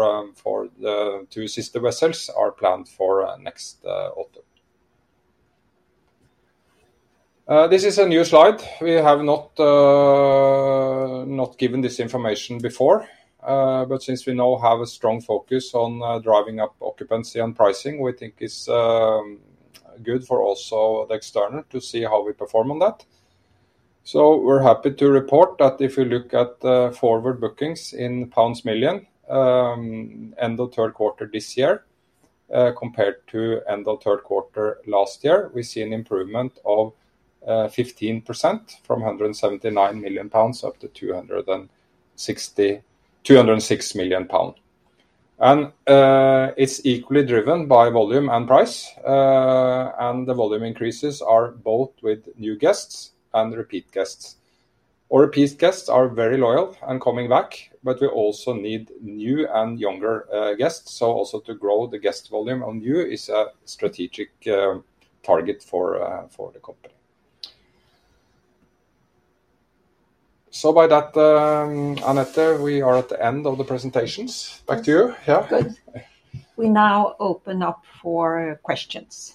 the two sister vessels are planned for next autumn. This is a new slide. We have not given this information before, but since we now have a strong focus on driving up occupancy and pricing, we think it's good for also the external to see how we perform on that. So we're happy to report that if you look at the forward bookings in pounds million, end of third quarter this year, compared to end of third quarter last year, we see an improvement of 15% from 179 million pounds up to 206 million pounds. It's equally driven by volume and price, and the volume increases are both with new guests and repeat guests. Our repeat guests are very loyal and coming back, but we also need new and younger guests. So also to grow the guest volume on new is a strategic target for the company. So by that, Anette, we are at the end of the presentations. Back to you Anette. Good. We now open up for questions.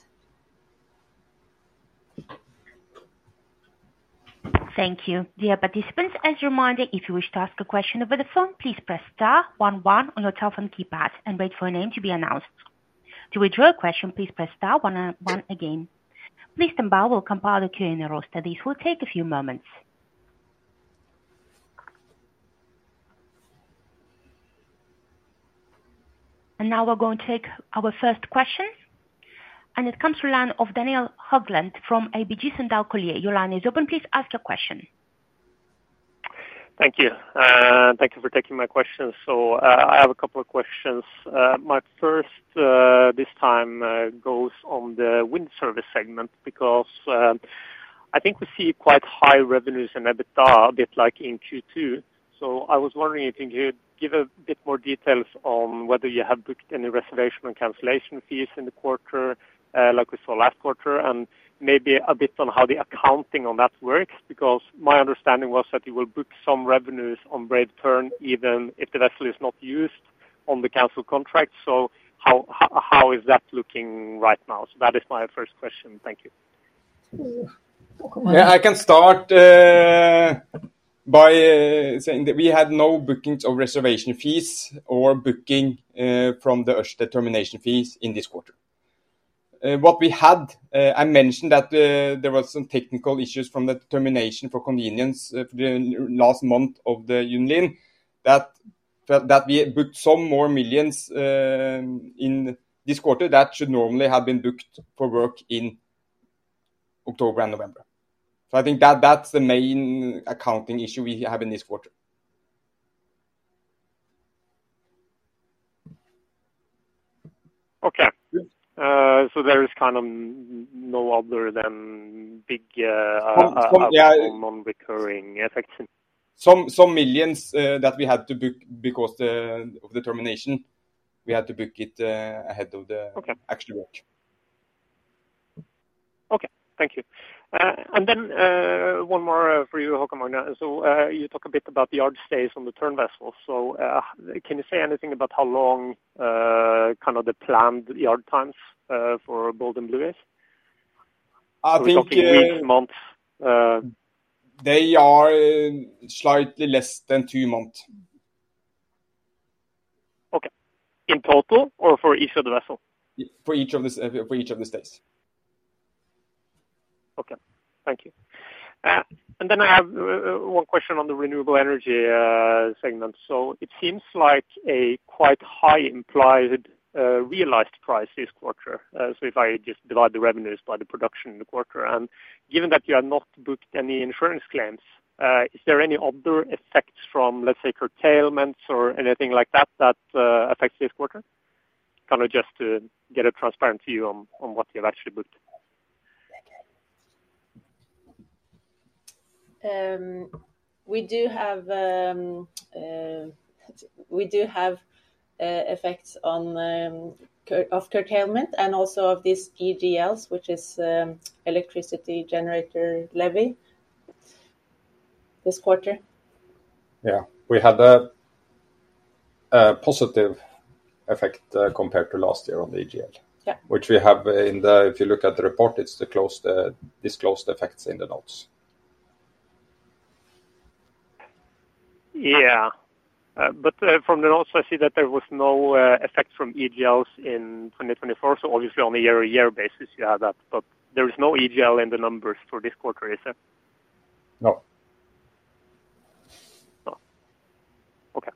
Thank you. Dear participants, as a reminder, if you wish to ask a question over the phone, please press star one one on your telephone keypad and wait for your name to be announced. To withdraw a question, please press star one and one again. Please stand by, we'll compile the Q&A roster. This will take a few moments. And now we're going to take our first question, and it comes from line of Daniel Haugland from ABG Sundal Collier. Your line is open. Please ask your question. Thank you. Thank you for taking my questions. So, I have a couple of questions. My first, this time, goes on the wind service segment because, I think we see quite high revenues and EBITDA, a bit like in Q2. So I was wondering if you could give a bit more details on whether you have booked any reservation and cancellation fees in the quarter, like we saw last quarter, and maybe a bit on how the accounting on that works. Because my understanding was that you will book some revenues on Brave Tern, even if the vessel is not used on the cancelled contract. So how is that looking right now? So that is my first question. Thank you. Yeah, I can start by saying that we had no bookings or reservation fees or booking from the termination fees in this quarter. What we had, I mentioned that there was some technical issues from the termination for convenience, the last month of the season, that we booked some more millions in this quarter that should normally have been booked for work in October and November. So I think that that's the main accounting issue we have in this quarter. Okay. So there is kind of no other than big, non-recurring effect. Some millions that we had to book because of the termination, we had to book it ahead of the actual work. Okay. Thank you. And then, one more, for you, Haakon Magne. So, you talk a bit about the yard stays on the Tern vessels. So, can you say anything about how long, kind of the planned yard times, for Bold and Blue? I think-- Weeks, months. They are slightly less than two months. Okay. In total, or for each of the vessels? For each of the stays. Okay. Thank you. And then I have one question on the renewable energy segment. So it seems like a quite high implied realized price this quarter. So if I just divide the revenues by the production in the quarter, and given that you have not booked any insurance claims, is there any other effects from, let's say, curtailments or anything like that, that affects this quarter? Kind of just to get a transparent view on what you've actually booked. We do have effects on curtailment and also of these EGLs, which is electricity generator levy this quarter. Yeah. We had a positive effect compared to last year on the EGL. Yeah. Which we have in the. If you look at the report, it's the close, the disclosed effects in the notes. Yeah, but from the notes, I see that there was no effect from EGLs in 2024, so obviously on a year-to-year basis, you have that, but there is no EGL in the numbers for this quarter, is it? No. No. Okay.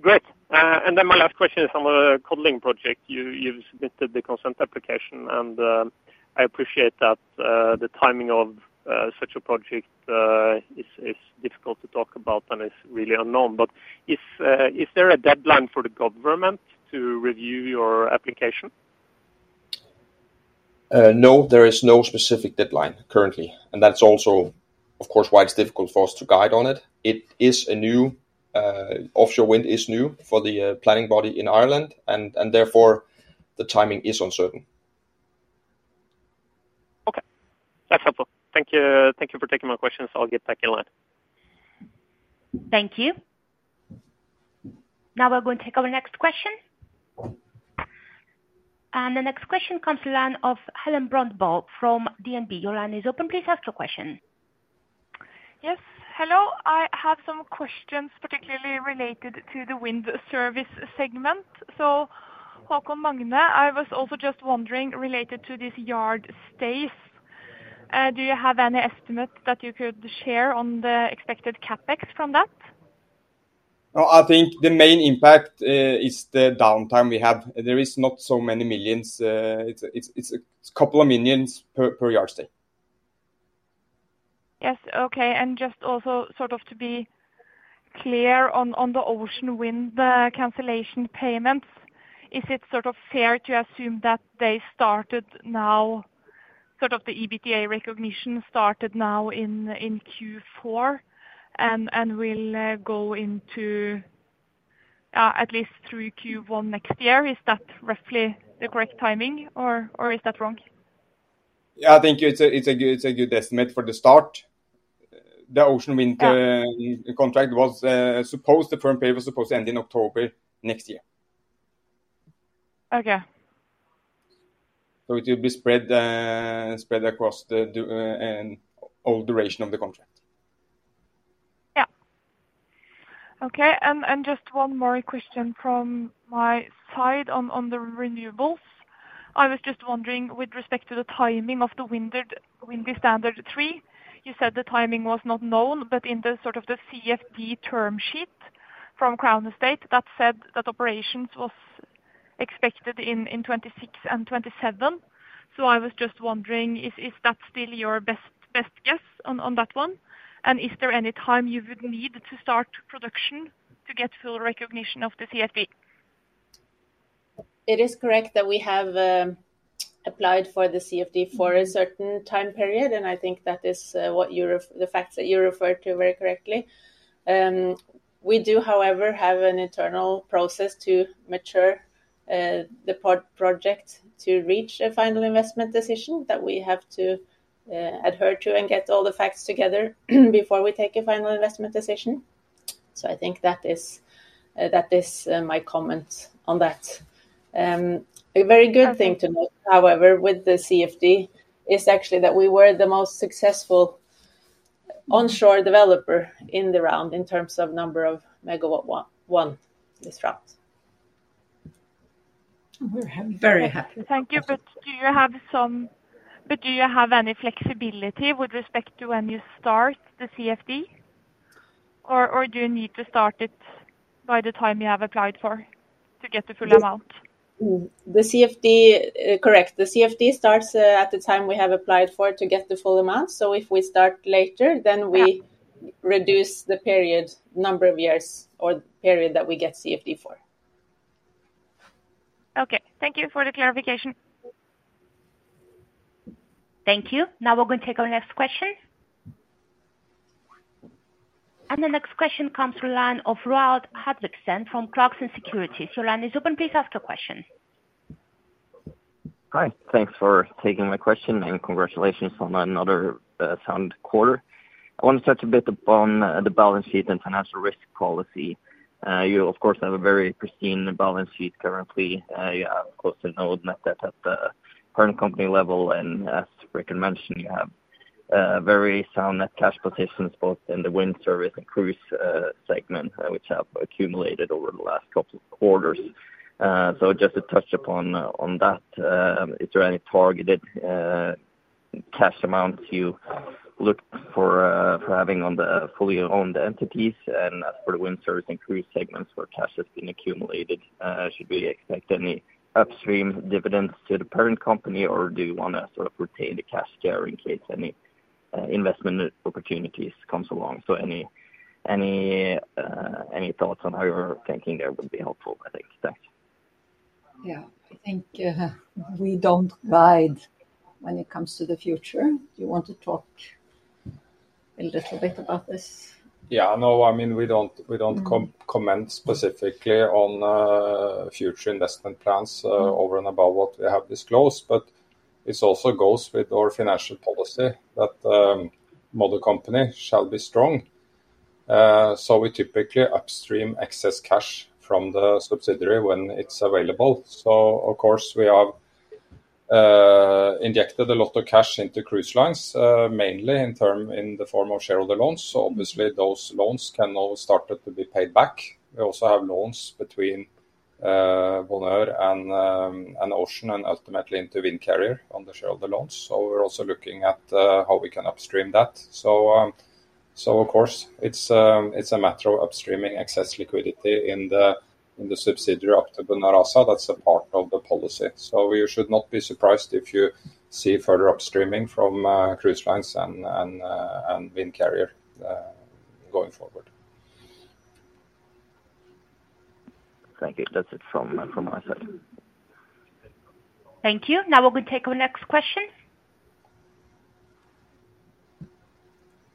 Great. And then my last question is on the Codling project. You submitted the consent application, and I appreciate that the timing of such a project is difficult to talk about and it's really unknown. But is there a deadline for the government to review your application? No, there is no specific deadline currently, and that's also, of course, why it's difficult for us to guide on it. It is a new, offshore wind is new for the planning body in Ireland, and therefore, the timing is uncertain. Okay. That's helpful. Thank you, thank you for taking my questions. I'll get back in line. Thank you. Now we're going to take our next question, and the next question comes from the line of Helene Brøndbo from DNB. Your line is open. Please ask your question. Yes. Hello, I have some questions, particularly related to the wind service segment. So Haakon Magne, I was also just wondering, related to this yard stays, do you have any estimate that you could share on the expected CapEx from that? I think the main impact is the downtime we have. There is not so many millions. It's a couple of millions per yard stay. Yes. Okay. And just also sort of to be clear on, on the Ocean Wind, cancellation payments, is it sort of fair to assume that they started now, sort of the EBITDA recognition started now in Q4, and will go into at least through Q1 next year? Is that roughly the correct timing or is that wrong? Yeah, I think it's a good estimate for the start. The Ocean Wind, the contract was supposed, the firm pay was supposed to end in October next year. Okay. So it will be spread across the duration of the contract. Yeah. Okay, and just one more question from my side on the renewables. I was just wondering, with respect to the timing of the award, Windy Standard III, you said the timing was not known, but in the sort of the CfD term sheet from Crown Estate, that said that operations was expected in 2026 and 2027. So I was just wondering, is that still your best guess on that one? And is there any time you would need to start production to get full recognition of the CfD? It is correct that we have applied for the CfD for a certain time period, and I think that is what you referred to very correctly. We do, however, have an internal process to mature the Brockloch project to reach a final investment decision that we have to adhere to and get all the facts together before we take a final investment decision. So I think that is my comment on that. A very good thing to note, however, with the CfD, is actually that we were the most successful onshore developer in the round in terms of number of megawatts won in one round. We're very happy. Thank you. But do you have any flexibility with respect to when you start the CfD? Or do you need to start it by the time you have applied for to get the full amount? The CfD, Correct. The CfD starts at the time we have applied for to get the full amount. So if we start later, then we reduce the period, number of years or period that we get CfD for. Okay, thank you for the clarification. Thank you. Now we're going to take our next question. And the next question comes from the line of Roald Hartvigsen from Clarksons Securities. Your line is open, please ask your question. Hi, thanks for taking my question, and congratulations on another sound quarter. I want to touch a bit upon the balance sheet and financial risk policy. You, of course, have a very pristine balance sheet currently. You have, of course, no net debt that's at the current company level, and as Richard mentioned, you have very sound net cash positions, both in the wind service and cruise segment, which have accumulated over the last couple of quarters. So just to touch upon that, is there any targeted cash amount you look for for having on the fully owned entities? As for the wind service and cruise segments, where cash has been accumulated, should we expect any upstream dividends to the parent company, or do you want to sort of retain the cash there in case any investment opportunities comes along? So any thoughts on how you're thinking there would be helpful, I think. Thanks. Yeah. I think, we don't guide when it comes to the future. Do you want to talk a little bit about this? Yeah. No, I mean, we don't comment specifically on future investment plans over and above what we have disclosed, but this also goes with our financial policy, that mother company shall be strong. So we typically upstream excess cash from the subsidiary when it's available. So of course, we have injected a lot of cash into Cruise Lines, mainly in the form of shareholder loans. So obviously, those loans can now started to be paid back. We also have loans between Bonheur and Olsen, and ultimately into Windcarrier on the shareholder loans. So we're also looking at how we can upstream that. So of course, it's a matter of upstreaming excess liquidity in the subsidiary up to Bonheur. That's a part of the policy. So you should not be surprised if you see further upstreaming from Cruise Lines and Windcarrier going forward. Thank you. That's it from my side. Thank you. Now we will take our next question.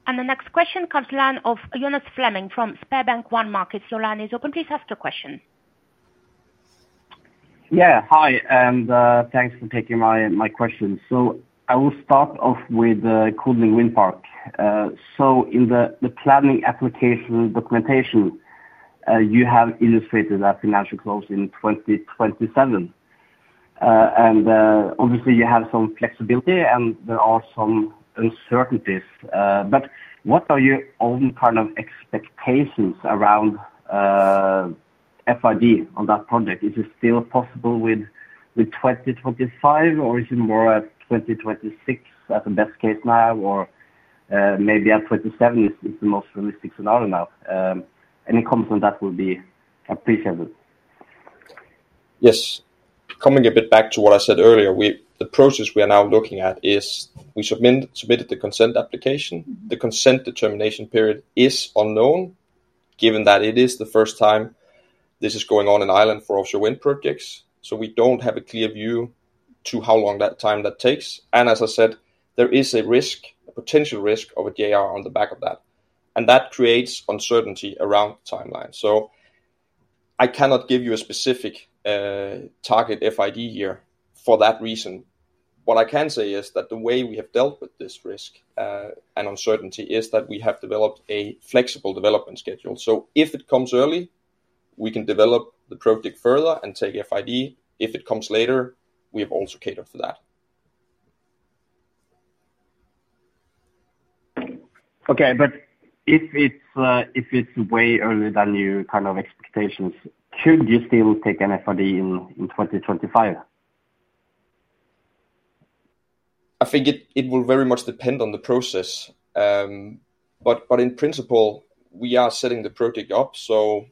The next question comes from the line of Jonas Fremming from SpareBank 1 Markets. Your line is open. Please ask your question. Yeah. Hi, and thanks for taking my question. So I will start off with the Codling Wind Park. So in the planning application documentation, you have illustrated a financial close in 2027. And obviously, you have some flexibility, and there are some uncertainties. But what are your own kind of expectations around FID on that project? Is it still possible with 2025, or is it more at 2026 as a best case now, or maybe at 2027 is the most realistic scenario now? Any comment on that would be appreciated. Yes. Coming a bit back to what I said earlier, the process we are now looking at is we submitted the consent application. The consent determination period is unknown, given that it is the first time this is going on in Ireland for offshore wind projects. We don't have a clear view to how long that time takes. And as I said, there is a risk, a potential risk of a JR on the back of that, and that creates uncertainty around the timeline. So I cannot give you a specific target FID year for that reason. What I can say is that the way we have dealt with this risk and uncertainty is that we have developed a flexible development schedule. So if it comes early, we can develop the project further and take FID. If it comes later, we have also catered for that. Okay, but if it's way earlier than your kind of expectations, should you still take an FID in 2025? I think it will very much depend on the process. But in principle, we are setting the project up so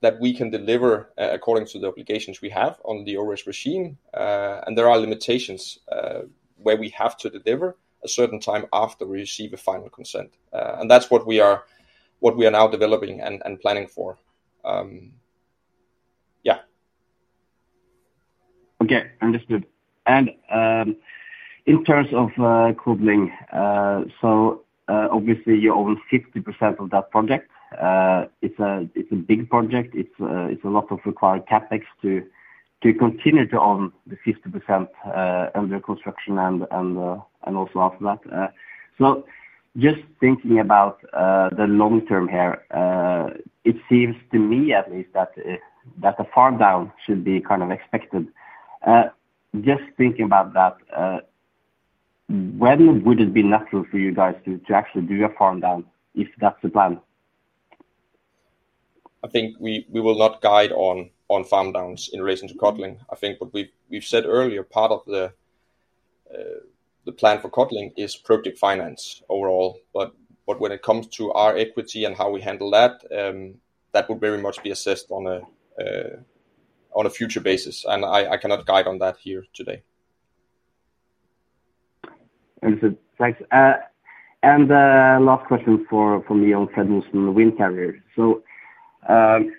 that we can deliver according to the obligations we have on the ORESS regime. And there are limitations where we have to deliver a certain time after we receive a final consent. And that's what we are now developing and planning for. Yeah. Okay, understood. And, in terms of Codling, so, obviously you own 50% of that project. It's a big project. It's a lot of required CapEx to continue to own the 50%, under construction and also after that. So just thinking about the long term here, it seems to me at least, that a farm down should be kind of expected. Just thinking about that, when would it be natural for you guys to actually do a farm down, if that's the plan? I think we will not guide on farm downs in relation to Codling. I think what we've said earlier, part of the plan for Codling is project finance overall. But when it comes to our equity and how we handle that, that will very much be assessed on a future basis, and I cannot guide on that here today. Understood. Thanks. Last question from me on Fred. Olsen Windcarrier.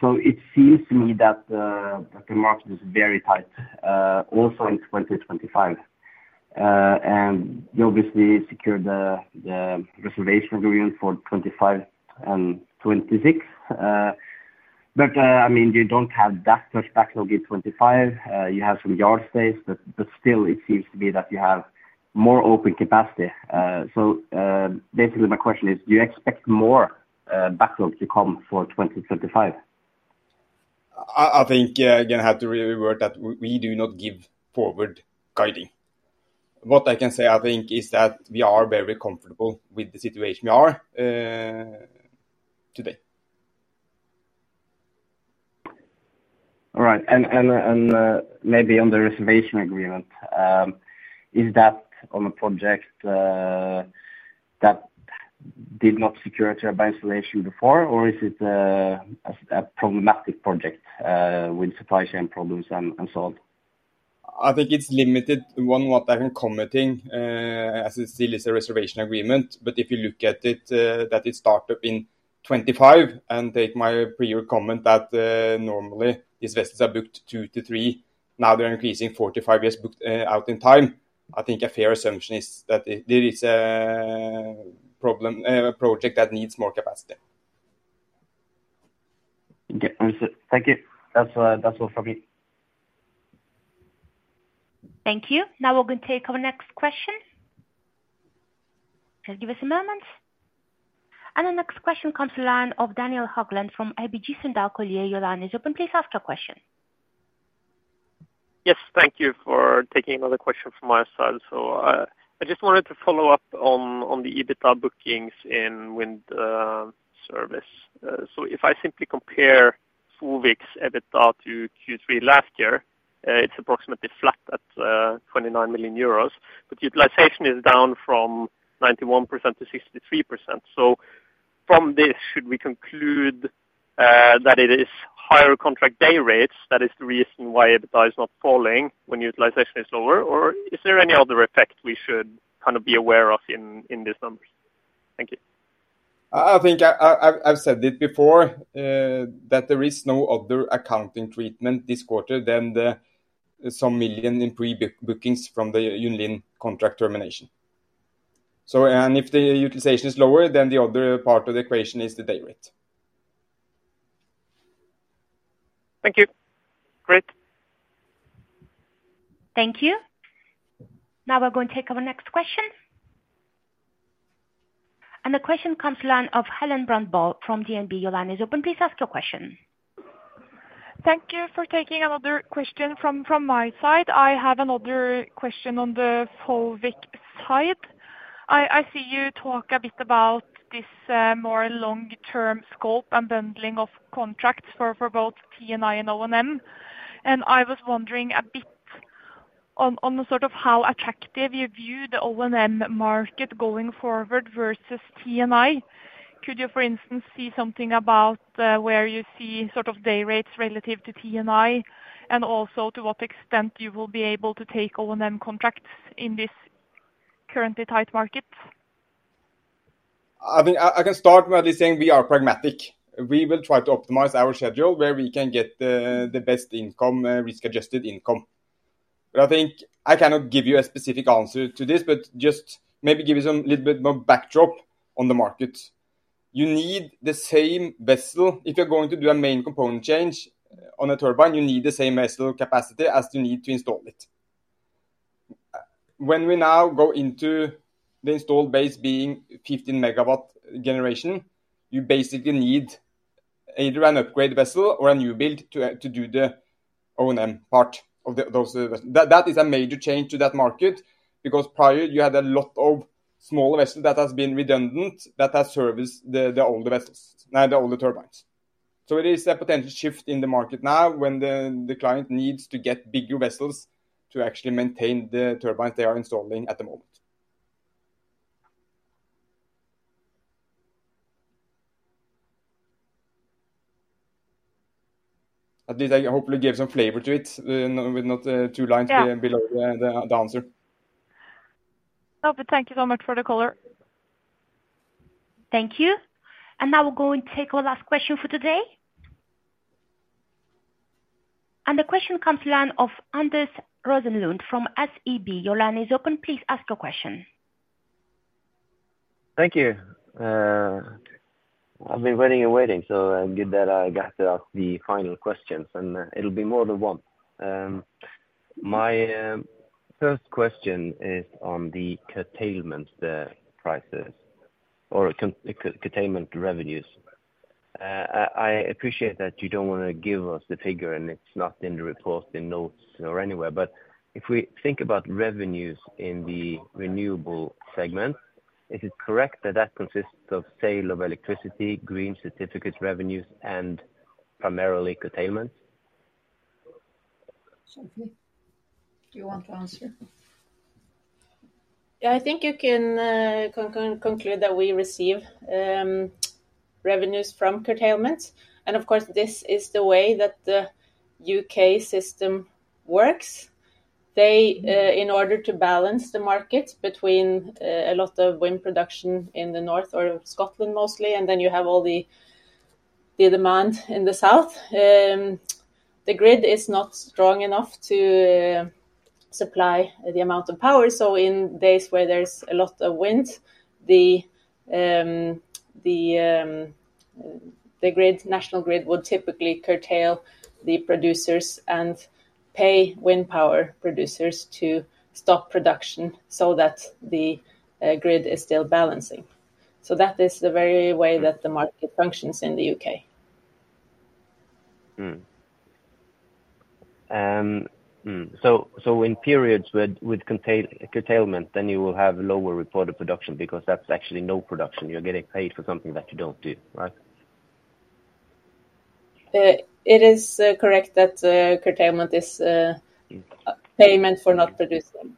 So it seems to me that the market is very tight, also in 2025. And you obviously secured the reservation agreement for 2025 and 2026. But I mean, you do not have that much backlog in 2025. You have some yard space, but still, it seems to me that you have more open capacity. Basically my question is: do you expect more backlog to come for 2025? I think, again, I have to reword that we do not give forward guidance. What I can say, I think, is that we are very comfortable with the situation we are today. All right, and maybe on the reservation agreement, is that on a project that did not secure turbine installation before? Or is it a problematic project with supply chain problems and so on? I think it's limited on what I can commenting, as it still is a reservation agreement. But if you look at it, that it started in 2025, and take my prior comment that, normally these vessels are booked two to three, now they're increasing four to five years, booked out in time. I think a fair assumption is that there is a problem, a project that needs more capacity. Okay. Understood. Thank you. That's, that's all from me. Thank you. Now we're going to take our next question. Just give us a moment, and the next question comes from the line of Daniel Haugland from ABG Sundal Collier. Your line is open, please ask your question. Yes, thank you for taking another question from my side. So, I just wanted to follow up on the EBITDA bookings in wind service. So if I simply compare full year EBITDA to Q3 last year, it's approximately flat at 29 million euros, but utilization is down from 91% to 63%. So from this, should we conclude that it is higher contract day rates, that is the reason why EBITDA is not falling when utilization is lower? Or is there any other effect we should kind of be aware of in these numbers? Thank you. I think I've said it before that there is no other accounting treatment this quarter than the some million in pre-book bookings from the UWL contract termination. So and if the utilization is lower, then the other part of the equation is the day rate. Thank you. Great. Thank you. Now we're going to take our next question, and the question comes from the line of Helene Brøndbo from DNB Markets. Your line is open, please ask your question. Thank you for taking another question from my side. I have another question on the Wind Service side. I see you talk a bit about this more long-term scope and handling of contracts for both T&I and O&M. And I was wondering a bit on the sort of how attractive you view the O&M market going forward versus T&I. Could you, for instance, say something about where you see sort of day rates relative to T&I, and also to what extent you will be able to take O&M contracts in this currently tight market? I think I can start by just saying we are pragmatic. We will try to optimize our schedule, where we can get the best income, risk-adjusted income. But I think I cannot give you a specific answer to this, but just maybe give you some little bit more backdrop on the market. You need the same vessel. If you're going to do a main component change on a turbine, you need the same vessel capacity as you need to install it. When we now go into the installed base being 15 MW generation, you basically need either an upgrade vessel or a new build to do the O&M part of those. That is a major change to that market, because prior, you had a lot of smaller vessels that has been redundant, that has serviced the older vessels and the older turbines. So it is a potential shift in the market now when the client needs to get bigger vessels to actually maintain the turbines they are installing at the moment. At least I hopefully give some flavor to it with not two lines below the answer. Oh, but thank you so much for the color. Thank you. And now we're going to take our last question for today. And the question comes from the line of Anders Rosenlund from SEB. Your line is open, please ask your question. Thank you. I've been waiting and waiting, so, good that I got to ask the final questions, and, it'll be more than one. My first question is on the curtailment, the prices or constraint curtailment revenues. I appreciate that you don't wanna give us the figure, and it's not in the report, in notes or anywhere, but if we think about revenues in the renewable segment, is it correct that that consists of sale of electricity, green certificate revenues, and primarily curtailment? Sofie, do you want to answer? Yeah, I think you can conclude that we receive revenues from curtailment. And of course, this is the way that the U.K. system works. They, in order to balance the market between a lot of wind production in the north of Scotland mostly, and then you have all the demand in the south. The grid is not strong enough to supply the amount of power, so in days where there's a lot of wind, the grid, National Grid, would typically curtail the producers and pay wind power producers to stop production so that the grid is still balancing. So that is the very way that the market functions in the U.K. So in periods with curtailment, then you will have lower reported production because that's actually no production. You're getting paid for something that you don't do, right? It is correct that curtailment is. Payment for not producing.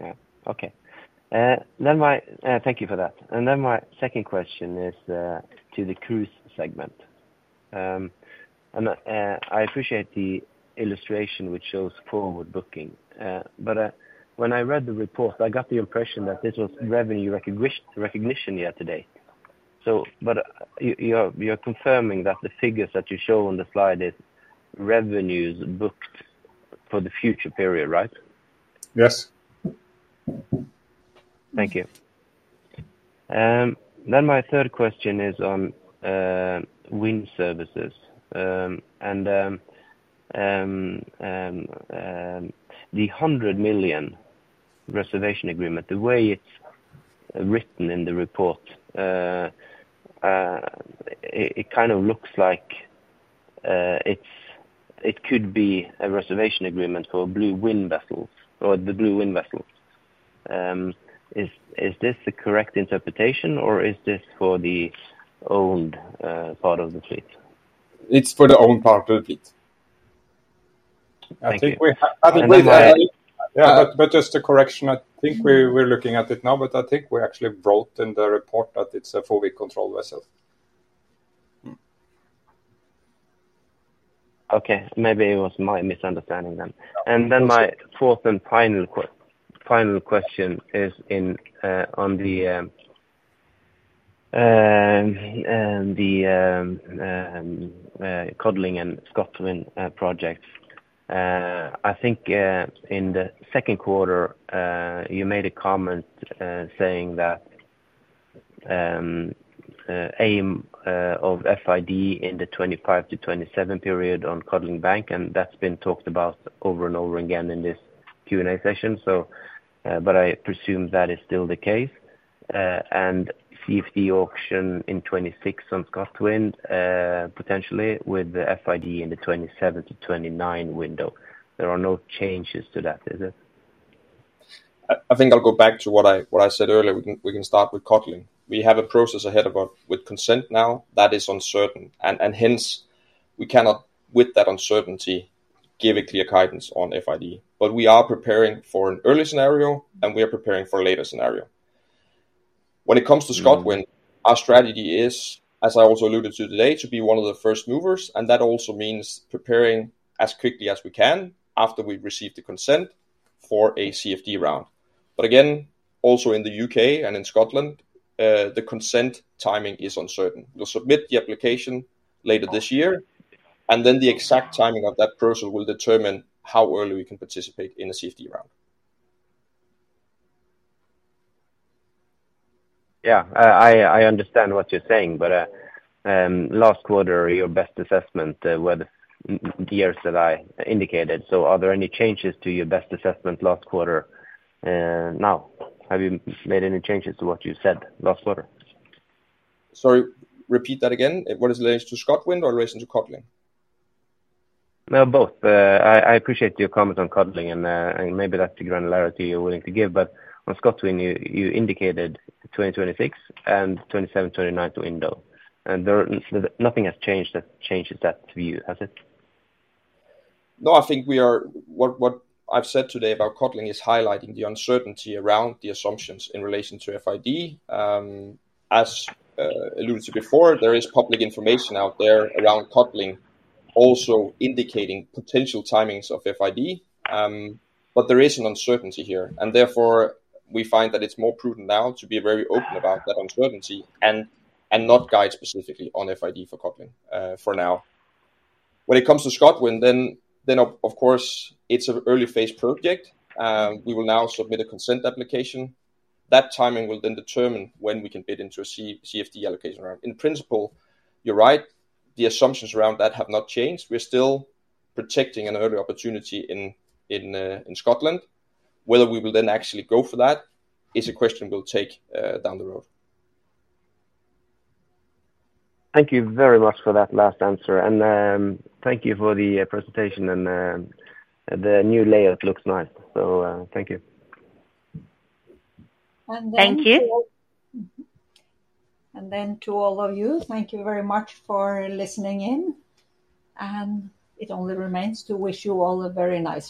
Yeah. Okay. Then my thank you for that. And then my second question is to the cruise segment. And I appreciate the illustration, which shows forward booking. But when I read the report, I got the impression that this was revenue recognition yesterday. So but, you're confirming that the figures that you show on the slide is revenues booked for the future period, right? Yes. Thank you. Then my third question is on wind services and the 100 million reservation agreement, the way it's written in the report, it kind of looks like it could be a reservation agreement for Blue Wind vessels or the Blue Wind vessels. Is this the correct interpretation, or is this for the owned part of the fleet? It's for the owned part of the fleet. Thank you. I think we have. Yeah, but just a correction. I think we're looking at it now, but I think we actually wrote in the report that it's a four-week control vessel. Okay, maybe it was my misunderstanding then. My fourth and final question is on the Codling and Scotwind projects. I think in the second quarter you made a comment saying that aim of FID in the 2025-2027 period on Codling Bank, and that's been talked about over and over again in this Q&A session. But I presume that is still the case. CfD auction in 2026 on Scotwind potentially with the FID in the 2027-2029 window. There are no changes to that, is it? I think I'll go back to what I said earlier. We can start with Codling. We have a process ahead of us with consent now. That is uncertain, and hence, we cannot, with that uncertainty, give a clear guidance on FID. But we are preparing for an early scenario, and we are preparing for a later scenario. When it comes to Scotwind. Our strategy is, as I also alluded to today, to be one of the first movers, and that also means preparing as quickly as we can after we've received the consent for a CfD round. But again, also in the U.K. and in Scotland, the consent timing is uncertain. We'll submit the application later this year, and then the exact timing of that process will determine how early we can participate in a CfD round. Yeah, I understand what you're saying, but last quarter, your best assessment were the years that I indicated. So are there any changes to your best assessment last quarter now? Have you made any changes to what you said last quarter? Sorry, repeat that again. Was it related to Scotwind or in relation to Codling? No, both. I appreciate your comment on Codling, and maybe that's the granularity you're willing to give, but on Scotwind, you indicated 2026 and 2027, 2029 window, and nothing has changed that view, has it? No, I think we are. What I've said today about Codling is highlighting the uncertainty around the assumptions in relation to FID. As alluded to before, there is public information out there around Codling, also indicating potential timings of FID. But there is an uncertainty here, and therefore, we find that it's more prudent now to be very open about that uncertainty and not guide specifically on FID for Codling for now. When it comes to Scotwind, then of course, it's an early-phase project. We will now submit a consent application. That timing will then determine when we can bid into a CfD Allocation Round. In principle, you're right, the assumptions around that have not changed. We're still protecting an early opportunity in Scotland. Whether we will then actually go for that is a question we'll take down the road. Thank you very much for that last answer, and thank you for the presentation and the new layout looks nice, so thank you. Thank you. And then to all of you, thank you very much for listening in, and it only remains to wish you all a very nice weekend.